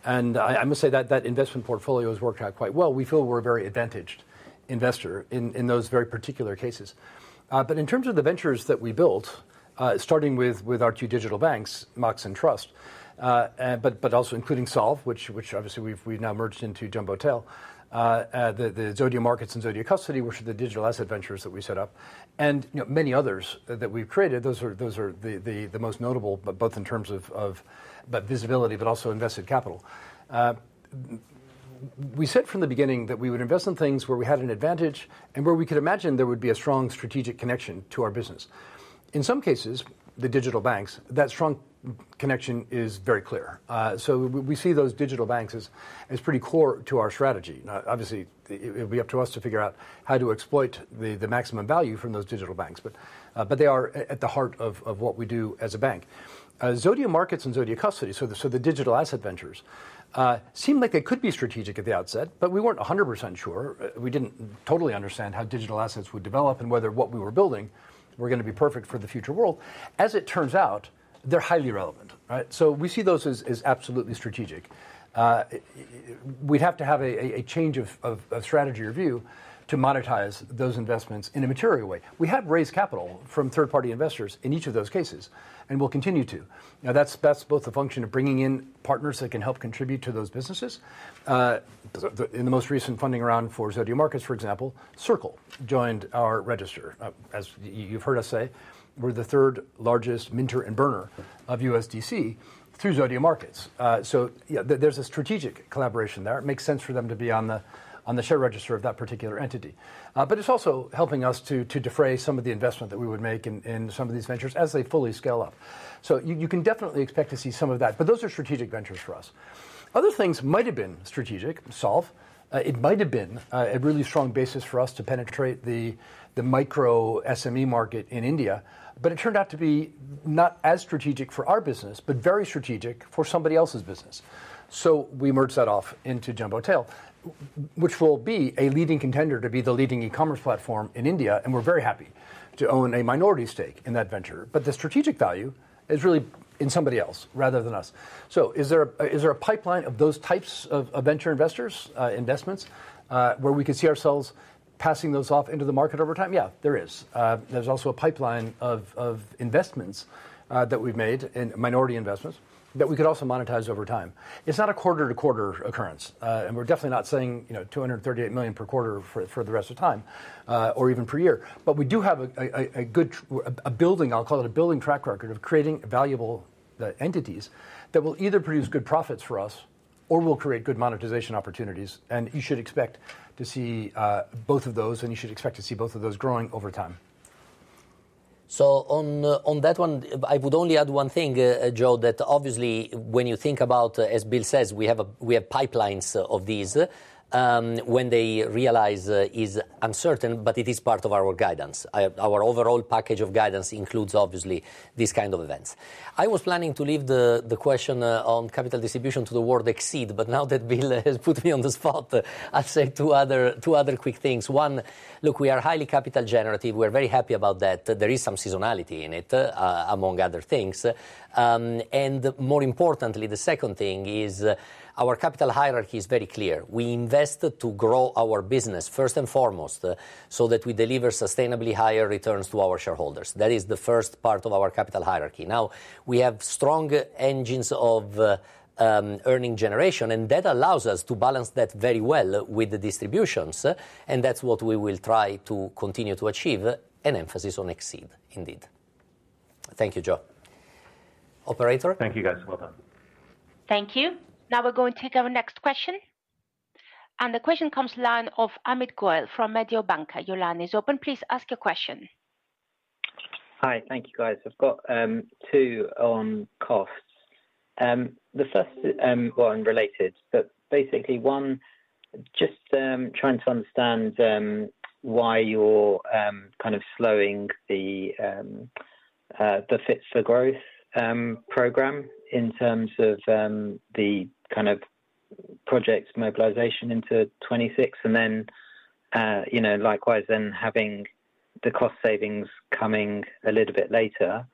[SPEAKER 1] I must say that that investment portfolio has worked out quite well. We feel we're a very advantaged investor in those very particular cases. In terms of the ventures that we built, starting with our two digital banks, Mox and Trust, but also including Solv, which obviously we've now merged into Jumbotail, the Zodia Markets and Zodia Custody, which are the digital asset ventures that we set up, and many others that we've created, those are the most notable, both in terms of visibility but also invested capital. We said from the beginning that we would invest in things where we had an advantage and where we could imagine there would be a strong strategic connection to our business. In some cases, the digital banks, that strong connection is very clear. We see those digital banks as pretty core to our strategy. Obviously, it'll be up to us to figure out how to exploit the maximum value from those digital banks, but they are at the heart of what we do as a bank. Zodia Markets and Zodia Custody, so the digital asset ventures, seemed like they could be strategic at the outset, but we weren't 100% sure. We didn't totally understand how digital assets would develop and whether what we were building were going to be perfect for the future world. As it turns out, they're highly relevant, right? We see those as absolutely strategic. We'd have to have a change of strategy review to monetize those investments in a material way. We have raised capital from third-party investors in each of those cases, and we'll continue to. That's both the function of bringing in partners that can help contribute to those businesses. In the most recent funding round for Zodia Markets, for example, Circle joined our register. As you've heard us say, we're the third largest minter and burner of USDC through Zodia Markets. There's a strategic collaboration there. It makes sense for them to be on the share register of that particular entity. It's also helping us to defray some of the investment that we would make in some of these ventures as they fully scale up. You can definitely expect to see some of that, but those are strategic ventures for us. Other things might have been strategic, Solv. It might have been a really strong basis for us to penetrate the micro SME market in India, but it turned out to be not as strategic for our business, but very strategic for somebody else's business. We merged that off into Jumbo Tail, which will be a leading contender to be the leading e-commerce platform in India. We're very happy to own a minority stake in that venture. The strategic value is really in somebody else rather than us. Is there a pipeline of those types of venture investors' investments where we could see ourselves passing those off into the market over time? Yeah, there is. There's also a pipeline of investments that we've made and minority investments that we could also monetize over time. It's not a quarter-to-quarter occurrence. We're definitely not saying $238 million per quarter for the rest of time or even per year. We do have a good, I'll call it a building track record of creating valuable entities that will either produce good profits for us or will create good monetization opportunities. You should expect to see both of those, and you should expect to see both of those growing over time.
[SPEAKER 2] On that one, I would only add one thing, Joe, that obviously when you think about, as Bill says, we have pipelines of these. When they realize is uncertain, but it is part of our guidance. Our overall package of guidance includes obviously these kinds of events. I was planning to leave the question on capital distribution to the word exceed, but now that Bill has put me on the spot, I'll say two other quick things. One, look, we are highly capital generative. We're very happy about that. There is some seasonality in it, among other things. More importantly, the second thing is our capital hierarchy is very clear. We invest to grow our business first and foremost so that we deliver sustainably higher returns to our shareholders. That is the first part of our capital hierarchy. We have strong engines of earning generation, and that allows us to balance that very well with the distributions. That's what we will try to continue to achieve, an emphasis on exceed indeed. Thank you, Joe. Operator?
[SPEAKER 7] Thank you, guys. Welcome.
[SPEAKER 3] Thank you. Now we're going to take our next question. The question comes live from Amit Goyal from Mediobanca. Your line is open. Please ask your question.
[SPEAKER 8] Hi. Thank you, guys. I've got two on costs. The first one related, but basically one, just trying to understand why you're kind of slowing the Fit for Growth program in terms of the kind of project mobilization into 2026. Likewise, then having the cost savings coming a little bit later,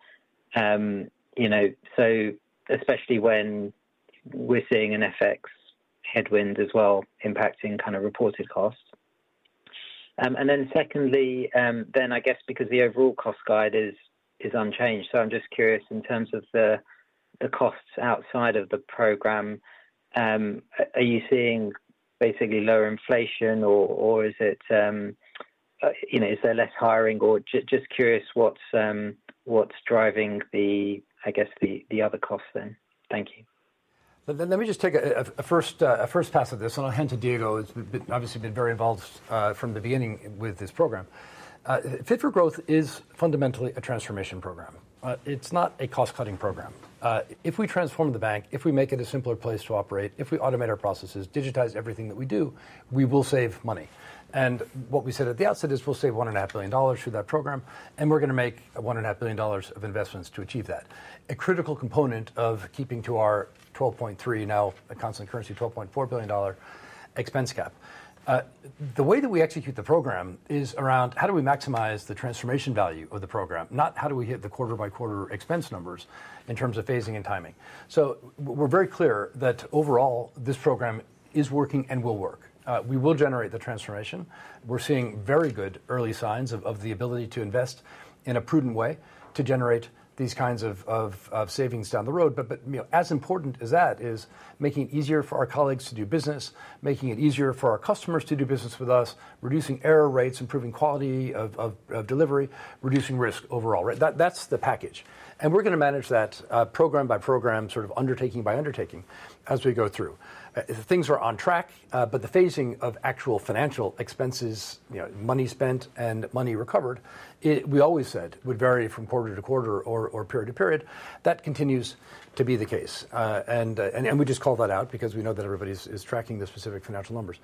[SPEAKER 8] especially when we're seeing an FX headwind as well impacting kind of reported costs. Secondly, then I guess because the overall cost guide is unchanged, so I'm just curious in terms of the costs outside of the program. Are you seeing basically lower inflation, or is there less hiring? Just curious what's driving the, I guess, the other costs then. Thank you.
[SPEAKER 1] Let me just take a first pass at this, and I'll hand to Diego, who's obviously been very involved from the beginning with this program. Fit for growth is fundamentally a transformation program. It's not a cost-cutting program. If we transform the bank, if we make it a simpler place to operate, if we automate our processes, digitize everything that we do, we will save money. What we said at the outset is we'll save $1.5 billion through that program, and we're going to make $1.5 billion of investments to achieve that. A critical component of keeping to our $12.3, now a constant currency, $12.4 billion expense cap. The way that we execute the program is around how do we maximize the transformation value of the program, not how do we hit the quarter-by-quarter expense numbers in terms of phasing and timing. We're very clear that overall this program is working and will work. We will generate the transformation. We're seeing very good early signs of the ability to invest in a prudent way to generate these kinds of savings down the road. As important as that is making it easier for our colleagues to do business, making it easier for our customers to do business with us, reducing error rates, improving quality of delivery, reducing risk overall, right? That's the package. We're going to manage that program by program, sort of undertaking by undertaking as we go through. Things are on track, but the phasing of actual financial expenses, money spent and money recovered, we always said would vary from quarter to quarter or period to period. That continues to be the case. We just call that out because we know that everybody is tracking the specific financial numbers.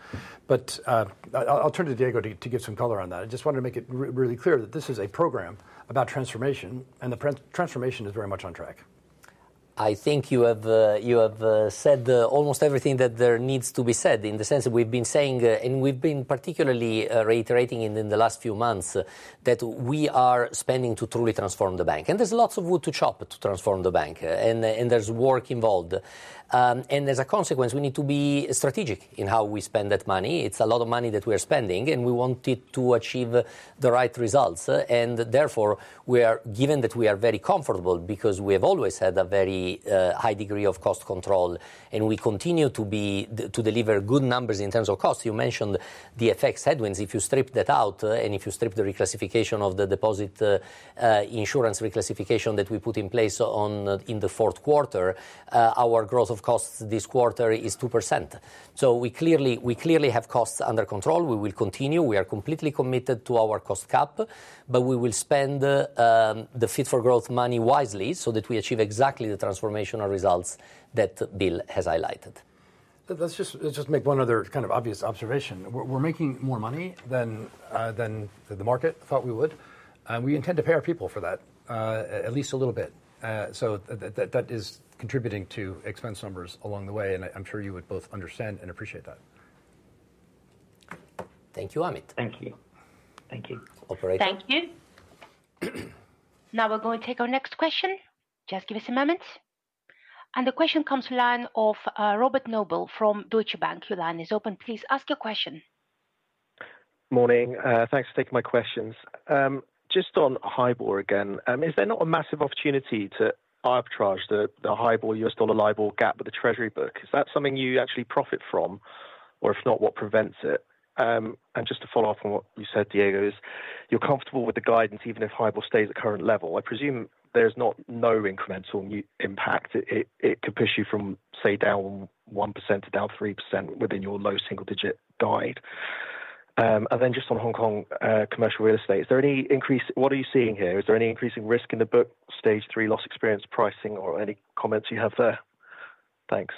[SPEAKER 1] I'll turn to Diego to give some color on that. I just wanted to make it really clear that this is a program about transformation, and the transformation is very much on track.
[SPEAKER 2] I think you have said almost everything that there needs to be said in the sense that we've been saying, and we've been particularly reiterating in the last few months that we are spending to truly transform the bank. There's lots of wood to chop to transform the bank, and there's work involved. As a consequence, we need to be strategic in how we spend that money. It's a lot of money that we are spending, and we want it to achieve the right results. Therefore, given that we are very comfortable because we have always had a very high degree of cost control, and we continue to deliver good numbers in terms of costs, you mentioned the FX headwinds. If you strip that out, and if you strip the reclassification of the deposit insurance reclassification that we put in place in the fourth quarter, our growth of costs this quarter is 2%. We clearly have costs under control. We will continue. We are completely committed to our cost cap, but we will spend the Fit for Growth money wisely so that we achieve exactly the transformational results that Bill has highlighted.
[SPEAKER 1] Let's just make one other kind of obvious observation. We're making more money than the market thought we would, and we intend to pay our people for that, at least a little bit. That is contributing to expense numbers along the way, and I'm sure you would both understand and appreciate that.
[SPEAKER 2] Thank you, Amit.
[SPEAKER 8] Thank you. Thank you. Operator.
[SPEAKER 3] Thank you. Now we're going to take our next question. Just give us a moment. The question comes live from Robert Noble from Deutsche Bank. Your line is open. Please ask your question.
[SPEAKER 9] Morning. Thanks for taking my questions. Just on HIBOR again, is there not a massive opportunity to arbitrage the HIBOR, U.S. dollar Libor gap with the Treasury book? Is that something you actually profit from, or if not, what prevents it? Just to follow up on what you said, Diego, is you're comfortable with the guidance even if HIBOR stays at current level. I presume there's not no incremental impact. It could push you from, say, down 1% to down 3% within your low single-digit guide. Just on Hong Kong commercial real estate, is there any increase? What are you seeing here? Is there any increasing risk in the book, stage three loss experience pricing, or any comments you have there? Thanks.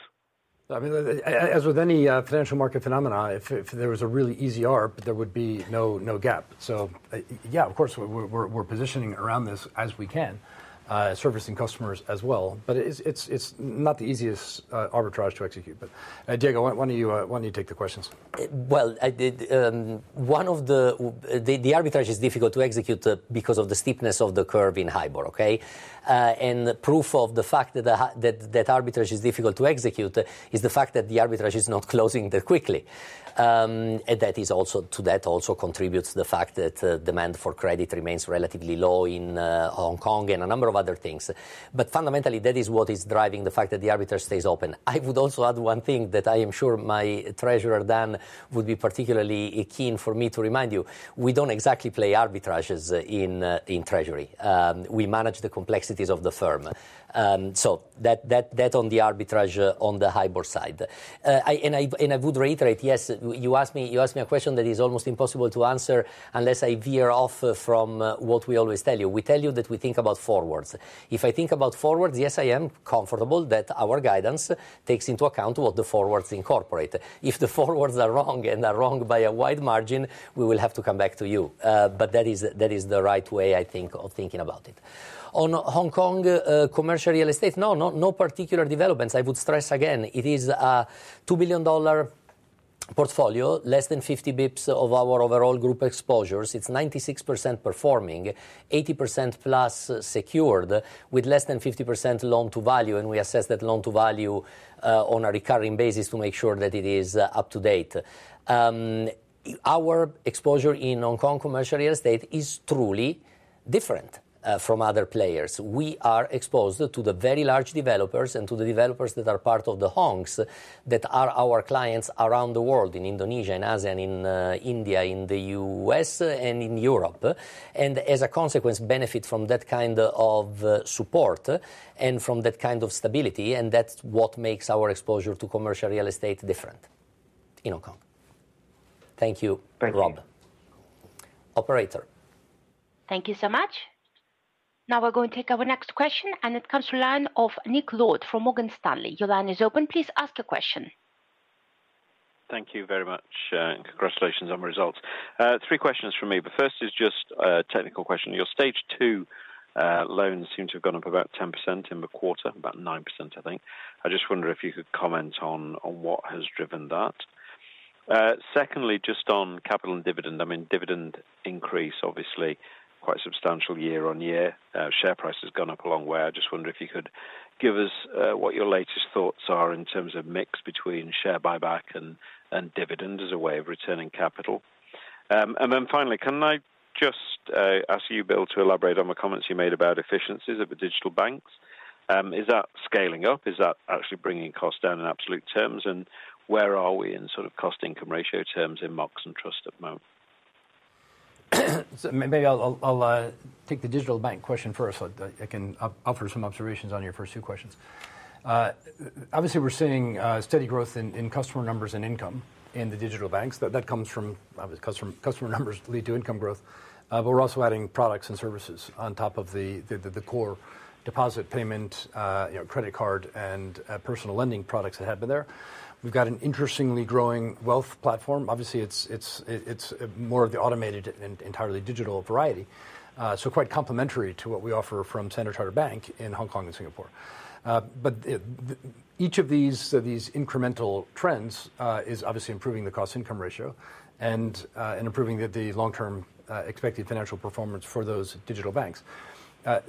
[SPEAKER 1] I mean, as with any financial market phenomena, if there was a really easy arb, there would be no gap. Of course, we're positioning around this as we can, servicing customers as well. It's not the easiest arbitrage to execute. Diego, why don't you take the questions?
[SPEAKER 2] One of the arbitrages is difficult to execute because of the steepness of the curve in HIBOR, okay? Proof of the fact that arbitrage is difficult to execute is the fact that the arbitrage is not closing that quickly. That also contributes to the fact that demand for credit remains relatively low in Hong Kong and a number of other things. Fundamentally, that is what is driving the fact that the arbitrage stays open. I would also add one thing that I am sure my Treasurer, Dan, would be particularly keen for me to remind you. We don't exactly play arbitrages in Treasury. We manage the complexities of the firm. That on the arbitrage on the HIBOR side. I would reiterate, yes, you asked me a question that is almost impossible to answer unless I veer off from what we always tell you. We tell you that we think about forwards. If I think about forwards, yes, I am comfortable that our guidance takes into account what the forwards incorporate. If the forwards are wrong and are wrong by a wide margin, we will have to come back to you. That is the right way, I think, of thinking about it. On Hong Kong commercial real estate, no particular developments. I would stress again, it is a $2 billion portfolio, less than 50 bps of our overall group exposures. It's 96% performing, 80% plus secured with less than 50% loan to value. We assess that loan to value on a recurring basis to make sure that it is up to date. Our exposure in Hong Kong commercial real estate is truly different from other players. We are exposed to the very large developers and to the developers that are part of the Hongs that are our clients around the world in Indonesia and Asia and in India, in the U.S. and in Europe. As a consequence, benefit from that kind of support and from that kind of stability. That's what makes our exposure to commercial real estate different in Hong Kong. Thank you, Rob. Operator.
[SPEAKER 3] Thank you so much. Now we're going to take our next question, and it comes to the line of Nick Lord from Morgan Stanley. Your line is open. Please ask your question.
[SPEAKER 10] Thank you very much. Congratulations on the results. Three questions from me. The first is just a technical question. Your stage two loans seem to have gone up about 10% in the quarter, about 9%, I think. I just wonder if you could comment on what has driven that. Secondly, just on capital and dividend, I mean, dividend increase, obviously quite substantial year on year. Share price has gone up a long way. I just wonder if you could give us what your latest thoughts are in terms of mix between share buyback and dividend as a way of returning capital. Finally, can I just ask you, Bill, to elaborate on the comments you made about efficiencies of the digital banks? Is that scaling up? Is that actually bringing costs down in absolute terms? Where are we in sort of cost-income ratio terms in Mox and Trust at the moment?
[SPEAKER 1] Maybe I'll take the digital bank question first so I can offer some observations on your first two questions. Obviously, we're seeing steady growth in customer numbers and income in the digital banks. That comes from, obviously, customer numbers lead to income growth. We're also adding products and services on top of the core deposit payment, credit card, and personal lending products that have been there. We've got an interestingly growing wealth platform. Obviously, it's more of the automated and entirely digital variety, so quite complementary to what we offer from Standard Chartered in Hong Kong and Singapore. Each of these incremental trends is obviously improving the cost-income ratio and improving the long-term expected financial performance for those digital banks. Of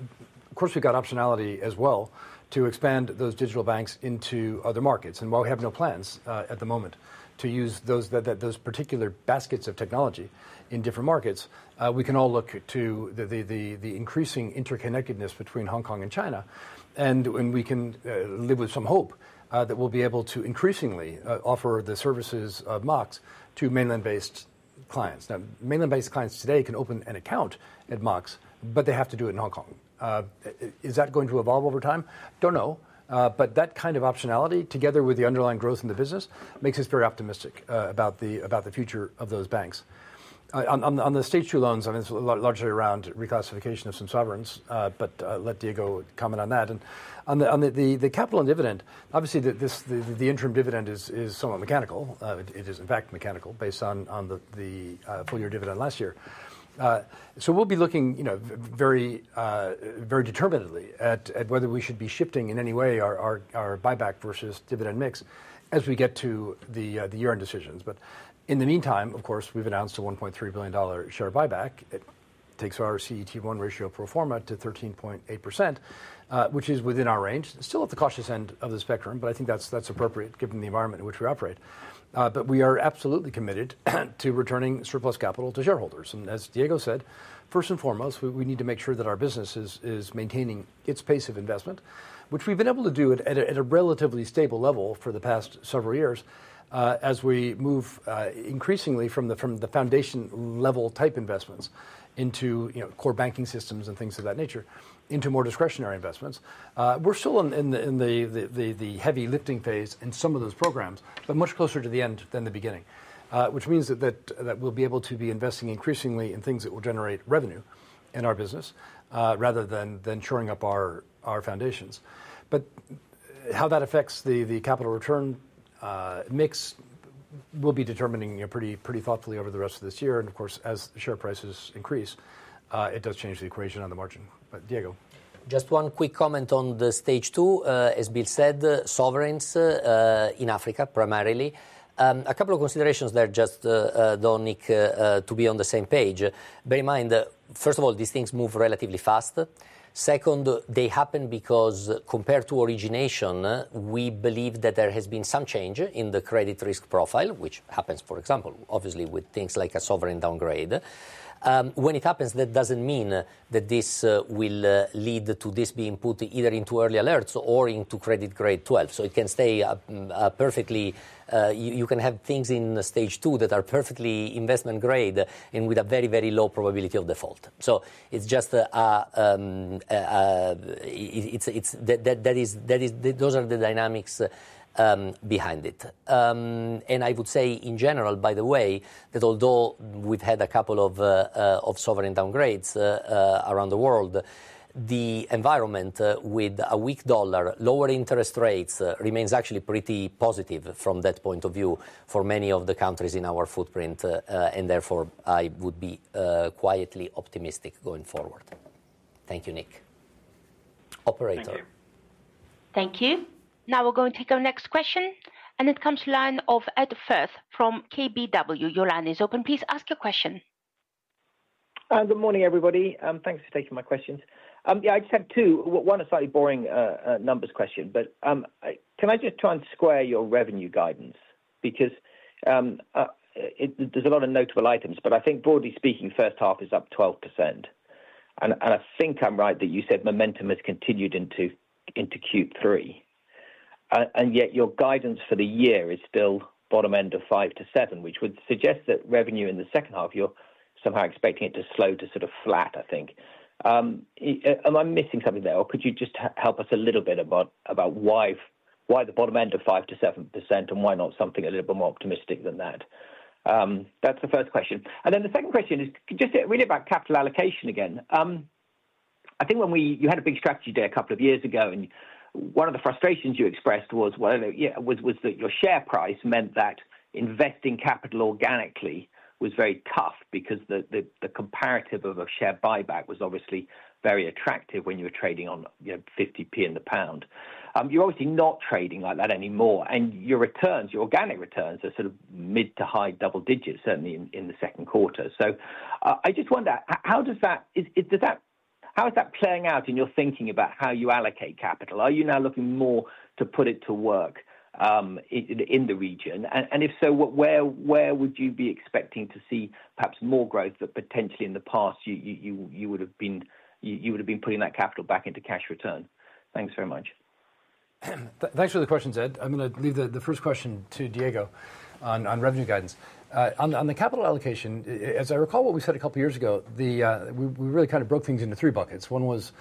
[SPEAKER 1] course, we've got optionality as well to expand those digital banks into other markets. While we have no plans at the moment to use those particular baskets of technology in different markets, we can all look to the increasing interconnectedness between Hong Kong and China. We can live with some hope that we'll be able to increasingly offer the services of Mox to mainland-based clients. Now, mainland-based clients today can open an account at Mox, but they have to do it in Hong Kong. Is that going to evolve over time? Don't know. That kind of optionality, together with the underlying growth in the business, makes us very optimistic about the future of those banks. On the stage two loans, it's largely around reclassification of some sovereigns, but let Diego comment on that. On the capital and dividend, the interim dividend is somewhat mechanical. It is, in fact, mechanical based on the full-year dividend last year. We'll be looking very determinedly at whether we should be shifting in any way our buyback versus dividend mix as we get to the year-end decisions. In the meantime, we've announced a $1.3 billion share buyback. It takes our CET1 ratio proforma to 13.8%, which is within our range. Still at the cautious end of the spectrum, but I think that's appropriate given the environment in which we operate. We are absolutely committed to returning surplus capital to shareholders. As Diego said, first and foremost, we need to make sure that our business is maintaining its pace of investment, which we've been able to do at a relatively stable level for the past several years as we move increasingly from the foundation-level type investments into core banking systems and things of that nature into more discretionary investments. We're still in the heavy lifting phase in some of those programs, but much closer to the end than the beginning, which means that we'll be able to be investing increasingly in things that will generate revenue in our business rather than shoring up our foundations. How that affects the capital return mix will be determined pretty thoughtfully over the rest of this year. Of course, as share prices increase, it does change the equation on the margin. Diego.
[SPEAKER 2] Just one quick comment on the stage two. As Bill said, sovereigns in Africa primarily. A couple of considerations there, just, Don, Nick, to be on the same page. Bear in mind, first of all, these things move relatively fast. Second, they happen because compared to origination, we believe that there has been some change in the credit risk profile, which happens, for example, obviously with things like a sovereign downgrade. When it happens, that doesn't mean that this will lead to this being put either into early alerts or into credit grade 12. It can stay perfectly. You can have things in stage two that are perfectly investment grade and with a very, very low probability of default. That is, those are the dynamics behind it. I would say in general, by the way, that although we've had a couple of sovereign downgrades around the world, the environment with a weak dollar, lower interest rates remains actually pretty positive from that point of view for many of the countries in our footprint. Therefore, I would be quietly optimistic going forward. Thank you, Nick. Operator.
[SPEAKER 3] Thank you. Now we're going to take our next question. It comes to the line of Ed Firth from KBW. Your line is open. Please ask your question.
[SPEAKER 11] Good morning, everybody. Thanks for taking my questions. I just have two. One is slightly boring numbers question, but can I just try and square your revenue guidance? Because there's a lot of notable items, but I think broadly speaking, first half is up 12%. I think I'm right that you said momentum has continued into Q3, yet your guidance for the year is still bottom end of 5% to 7%, which would suggest that revenue in the second half, you're somehow expecting it to slow to sort of flat, I think. Am I missing something there? Could you just help us a little bit about why the bottom end of 5% to 7% and why not something a little bit more optimistic than that? That's the first question. The second question is just really about capital allocation again. I think when you had a big strategy day a couple of years ago, one of the frustrations you expressed was that your share price meant that investing capital organically was very tough because the comparative of a share buyback was obviously very attractive when you were trading on 0.50 in the pound. You're obviously not trading like that anymore, and your returns, your organic returns are sort of mid to high double digits, certainly in the second quarter. I just wonder, how is that playing out in your thinking about how you allocate capital? Are you now looking more to put it to work in the region? If so, where would you be expecting to see perhaps more growth that potentially in the past you would have been putting that capital back into cash return? Thanks very much.
[SPEAKER 1] Thanks for the questions, Ed. I'm going to leave the first question to Diego on revenue guidance. On the capital allocation, as I recall what we said a couple of years ago, we really kind of broke things into three buckets. One was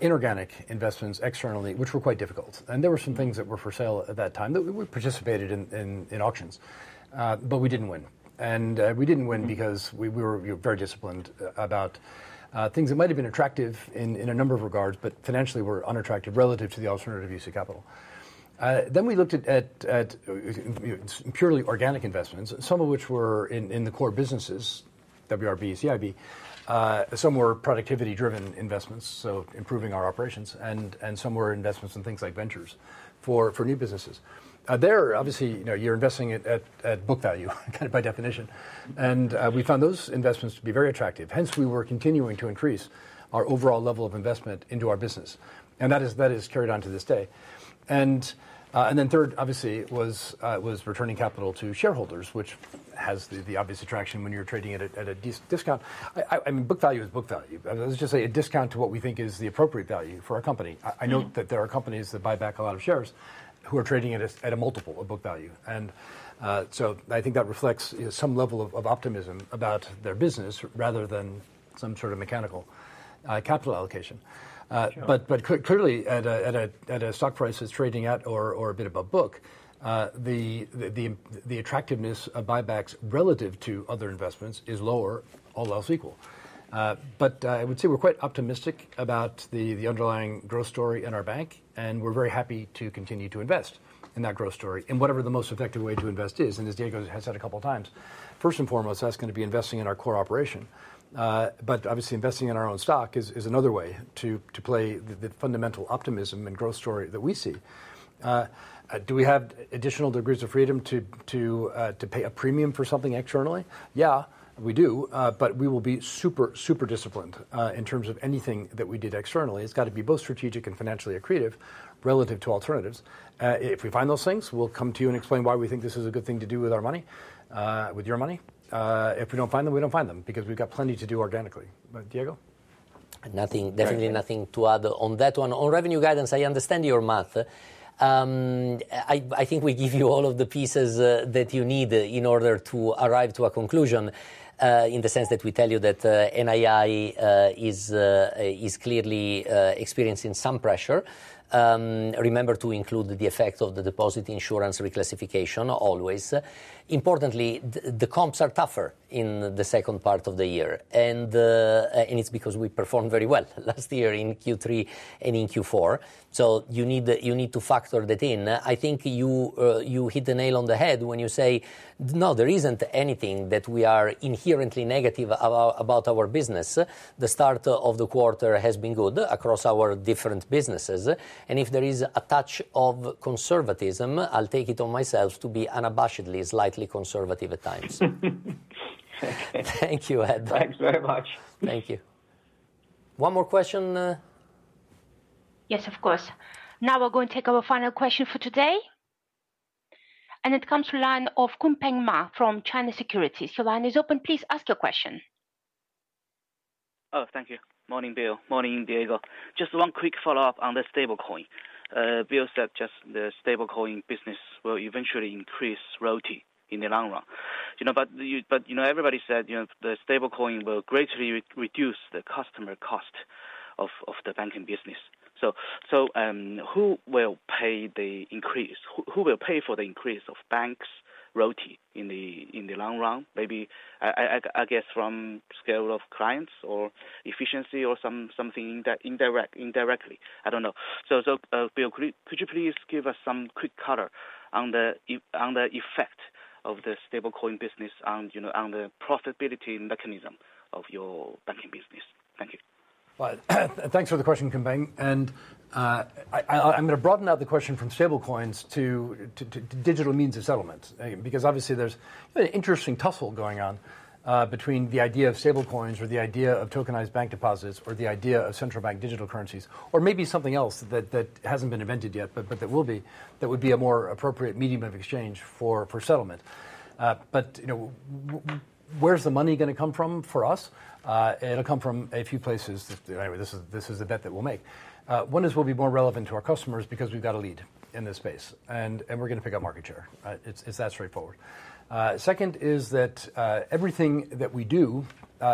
[SPEAKER 1] inorganic investments externally, which were quite difficult. There were some things that were for sale at that time that we participated in auctions, but we didn't win. We didn't win because we were very disciplined about things that might have been attractive in a number of regards, but financially were unattractive relative to the alternative use of capital. Then we looked at purely organic investments, some of which were in the core businesses, WRB, CIB. Some were productivity-driven investments, improving our operations. Some were investments in things like ventures for new businesses. There, obviously, you're investing at book value by definition. We found those investments to be very attractive. Hence, we were continuing to increase our overall level of investment into our business. That has carried on to this day. Third, obviously, was returning capital to shareholders, which has the obvious attraction when you're trading at a discount. Book value is book value. Let's just say a discount to what we think is the appropriate value for our company. I note that there are companies that buy back a lot of shares who are trading at a multiple of book value. I think that reflects some level of optimism about their business rather than some sort of mechanical capital allocation. Clearly, at a stock price that's trading at or a bit above book, the attractiveness of buybacks relative to other investments is lower, all else equal. I would say we're quite optimistic about the underlying growth story in our bank. We're very happy to continue to invest in that growth story in whatever the most effective way to invest is. As Diego has said a couple of times, first and foremost, that's going to be investing in our core operation. Obviously, investing in our own stock is another way to play the fundamental optimism and growth story that we see. Do we have additional degrees of freedom to pay a premium for something externally? Yeah, we do. We will be super, super disciplined in terms of anything that we did externally. It's got to be both strategic and financially accretive relative to alternatives. If we find those things, we'll come to you and explain why we think this is a good thing to do with our money, with your money. If we don't find them, we don't find them because we've got plenty to do organically. But Diego?
[SPEAKER 2] Definitely nothing to add on that one. On revenue guidance, I understand your math. I think we give you all of the pieces that you need in order to arrive to a conclusion in the sense that we tell you that NII is clearly experiencing some pressure. Remember to include the effect of the deposit insurance reclassification always. Importantly, the comps are tougher in the second part of the year because we performed very well last year in Q3 and in Q4. You need to factor that in. I think you hit the nail on the head when you say, no, there isn't anything that we are inherently negative about our business. The start of the quarter has been good across our different businesses. If there is a touch of conservatism, I'll take it on myself to be unabashedly slightly conservative at times. Thank you, Ed.
[SPEAKER 11] Thanks very much.
[SPEAKER 2] Thank you. One more question?
[SPEAKER 3] Yes, of course. Now we're going to take our final question for today. It comes from the line of Kunpeng Ma from China Securities. Your line is open. Please ask your question.
[SPEAKER 12] Oh, thank you. Morning, Bill. Morning, Diego. Just one quick follow-up on the stablecoin. Bill said just the stablecoin business will eventually increase royalty in the long run. Everybody said the stablecoin will greatly reduce the customer cost of the banking business. Who will pay the increase? Who will pay for the increase of banks' royalty in the long run? Maybe, I guess, from the scale of clients or efficiency or something indirectly. I don't know. Bill, could you please give us some quick color on the effect of the stablecoin business on the profitability mechanism of your banking business? Thank you.
[SPEAKER 1] Thanks for the question, Kunpeng. I'm going to broaden out the question from stablecoins to digital means of settlement because obviously, there's an interesting tussle going on between the idea of stablecoins, the idea of tokenised bank deposits, the idea of central bank digital currencies, or maybe something else that hasn't been invented yet, but that would be a more appropriate medium of exchange for settlement. Where's the money going to come from for us? It'll come from a few places. Anyway, this is the bet that we'll make. One is we'll be more relevant to our customers because we've got a lead in this space, and we're going to pick up market share. It's that straightforward. Second is that everything that we do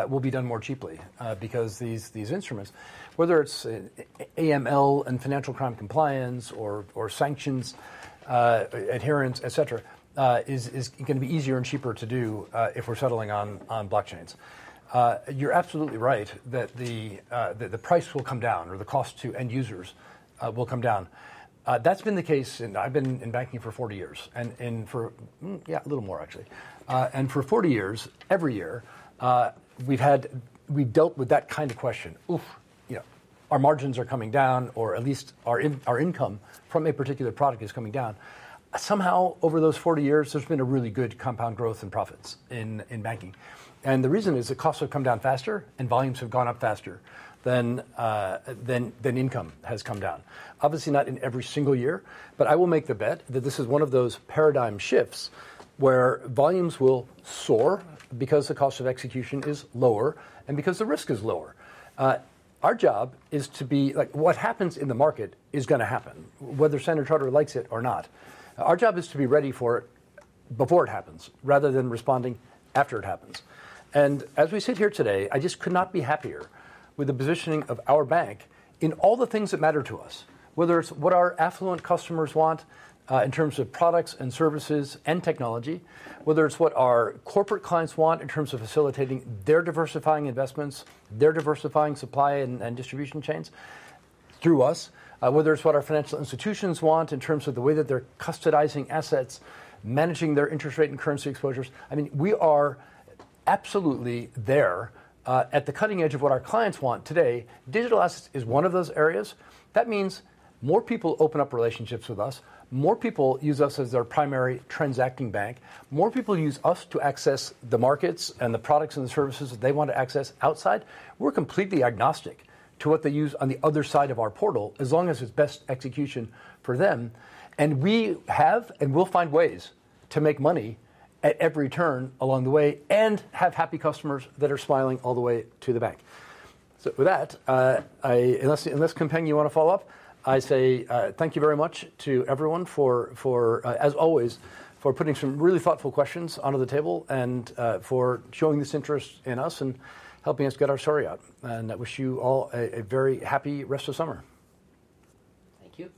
[SPEAKER 1] will be done more cheaply because these instruments, whether it's AML and financial crime compliance or sanctions adherence, et cetera, is going to be easier and cheaper to do if we're settling on blockchains. You're absolutely right that the price will come down or the cost to end users will come down. That's been the case. I've been in banking for 40 years, yeah, a little more actually, and for 40 years, every year, we've dealt with that kind of question. Our margins are coming down, or at least our income from a particular product is coming down. Somehow, over those 40 years, there's been a really good compound growth in profits in banking. The reason is that costs have come down faster and volumes have gone up faster than income has come down. Obviously, not in every single year, but I will make the bet that this is one of those paradigm shifts where volumes will soar because the cost of execution is lower and because the risk is lower. Our job is to be ready for it before it happens rather than responding after it happens. As we sit here today, I just could not be happier with the positioning of our bank in all the things that matter to us, whether it's what our affluent customers want in terms of products and services and technology, whether it's what our corporate clients want in terms of facilitating their diversifying investments, their diversifying supply and distribution chains through us, or whether it's what our financial institutions want in terms of the way that they're customizing assets, managing their interest rate and currency exposures. I mean, we are absolutely there at the cutting edge of what our clients want today. Digital assets is one of those areas. That means more people open up relationships with us. More people use us as their primary transacting bank. More people use us to access the markets and the products and the services that they want to access outside. We are completely agnostic to what they use on the other side of our portal as long as it's best execution for them. We have and will find ways to make money at every turn along the way and have happy customers that are smiling all the way to the bank. With that, unless Khun Peng, you want to follow up, I say thank you very much to everyone for, as always, for putting some really thoughtful questions onto the table and for showing this interest in us and helping us get our story out. I wish you all a very happy rest of summer.
[SPEAKER 12] Thank you.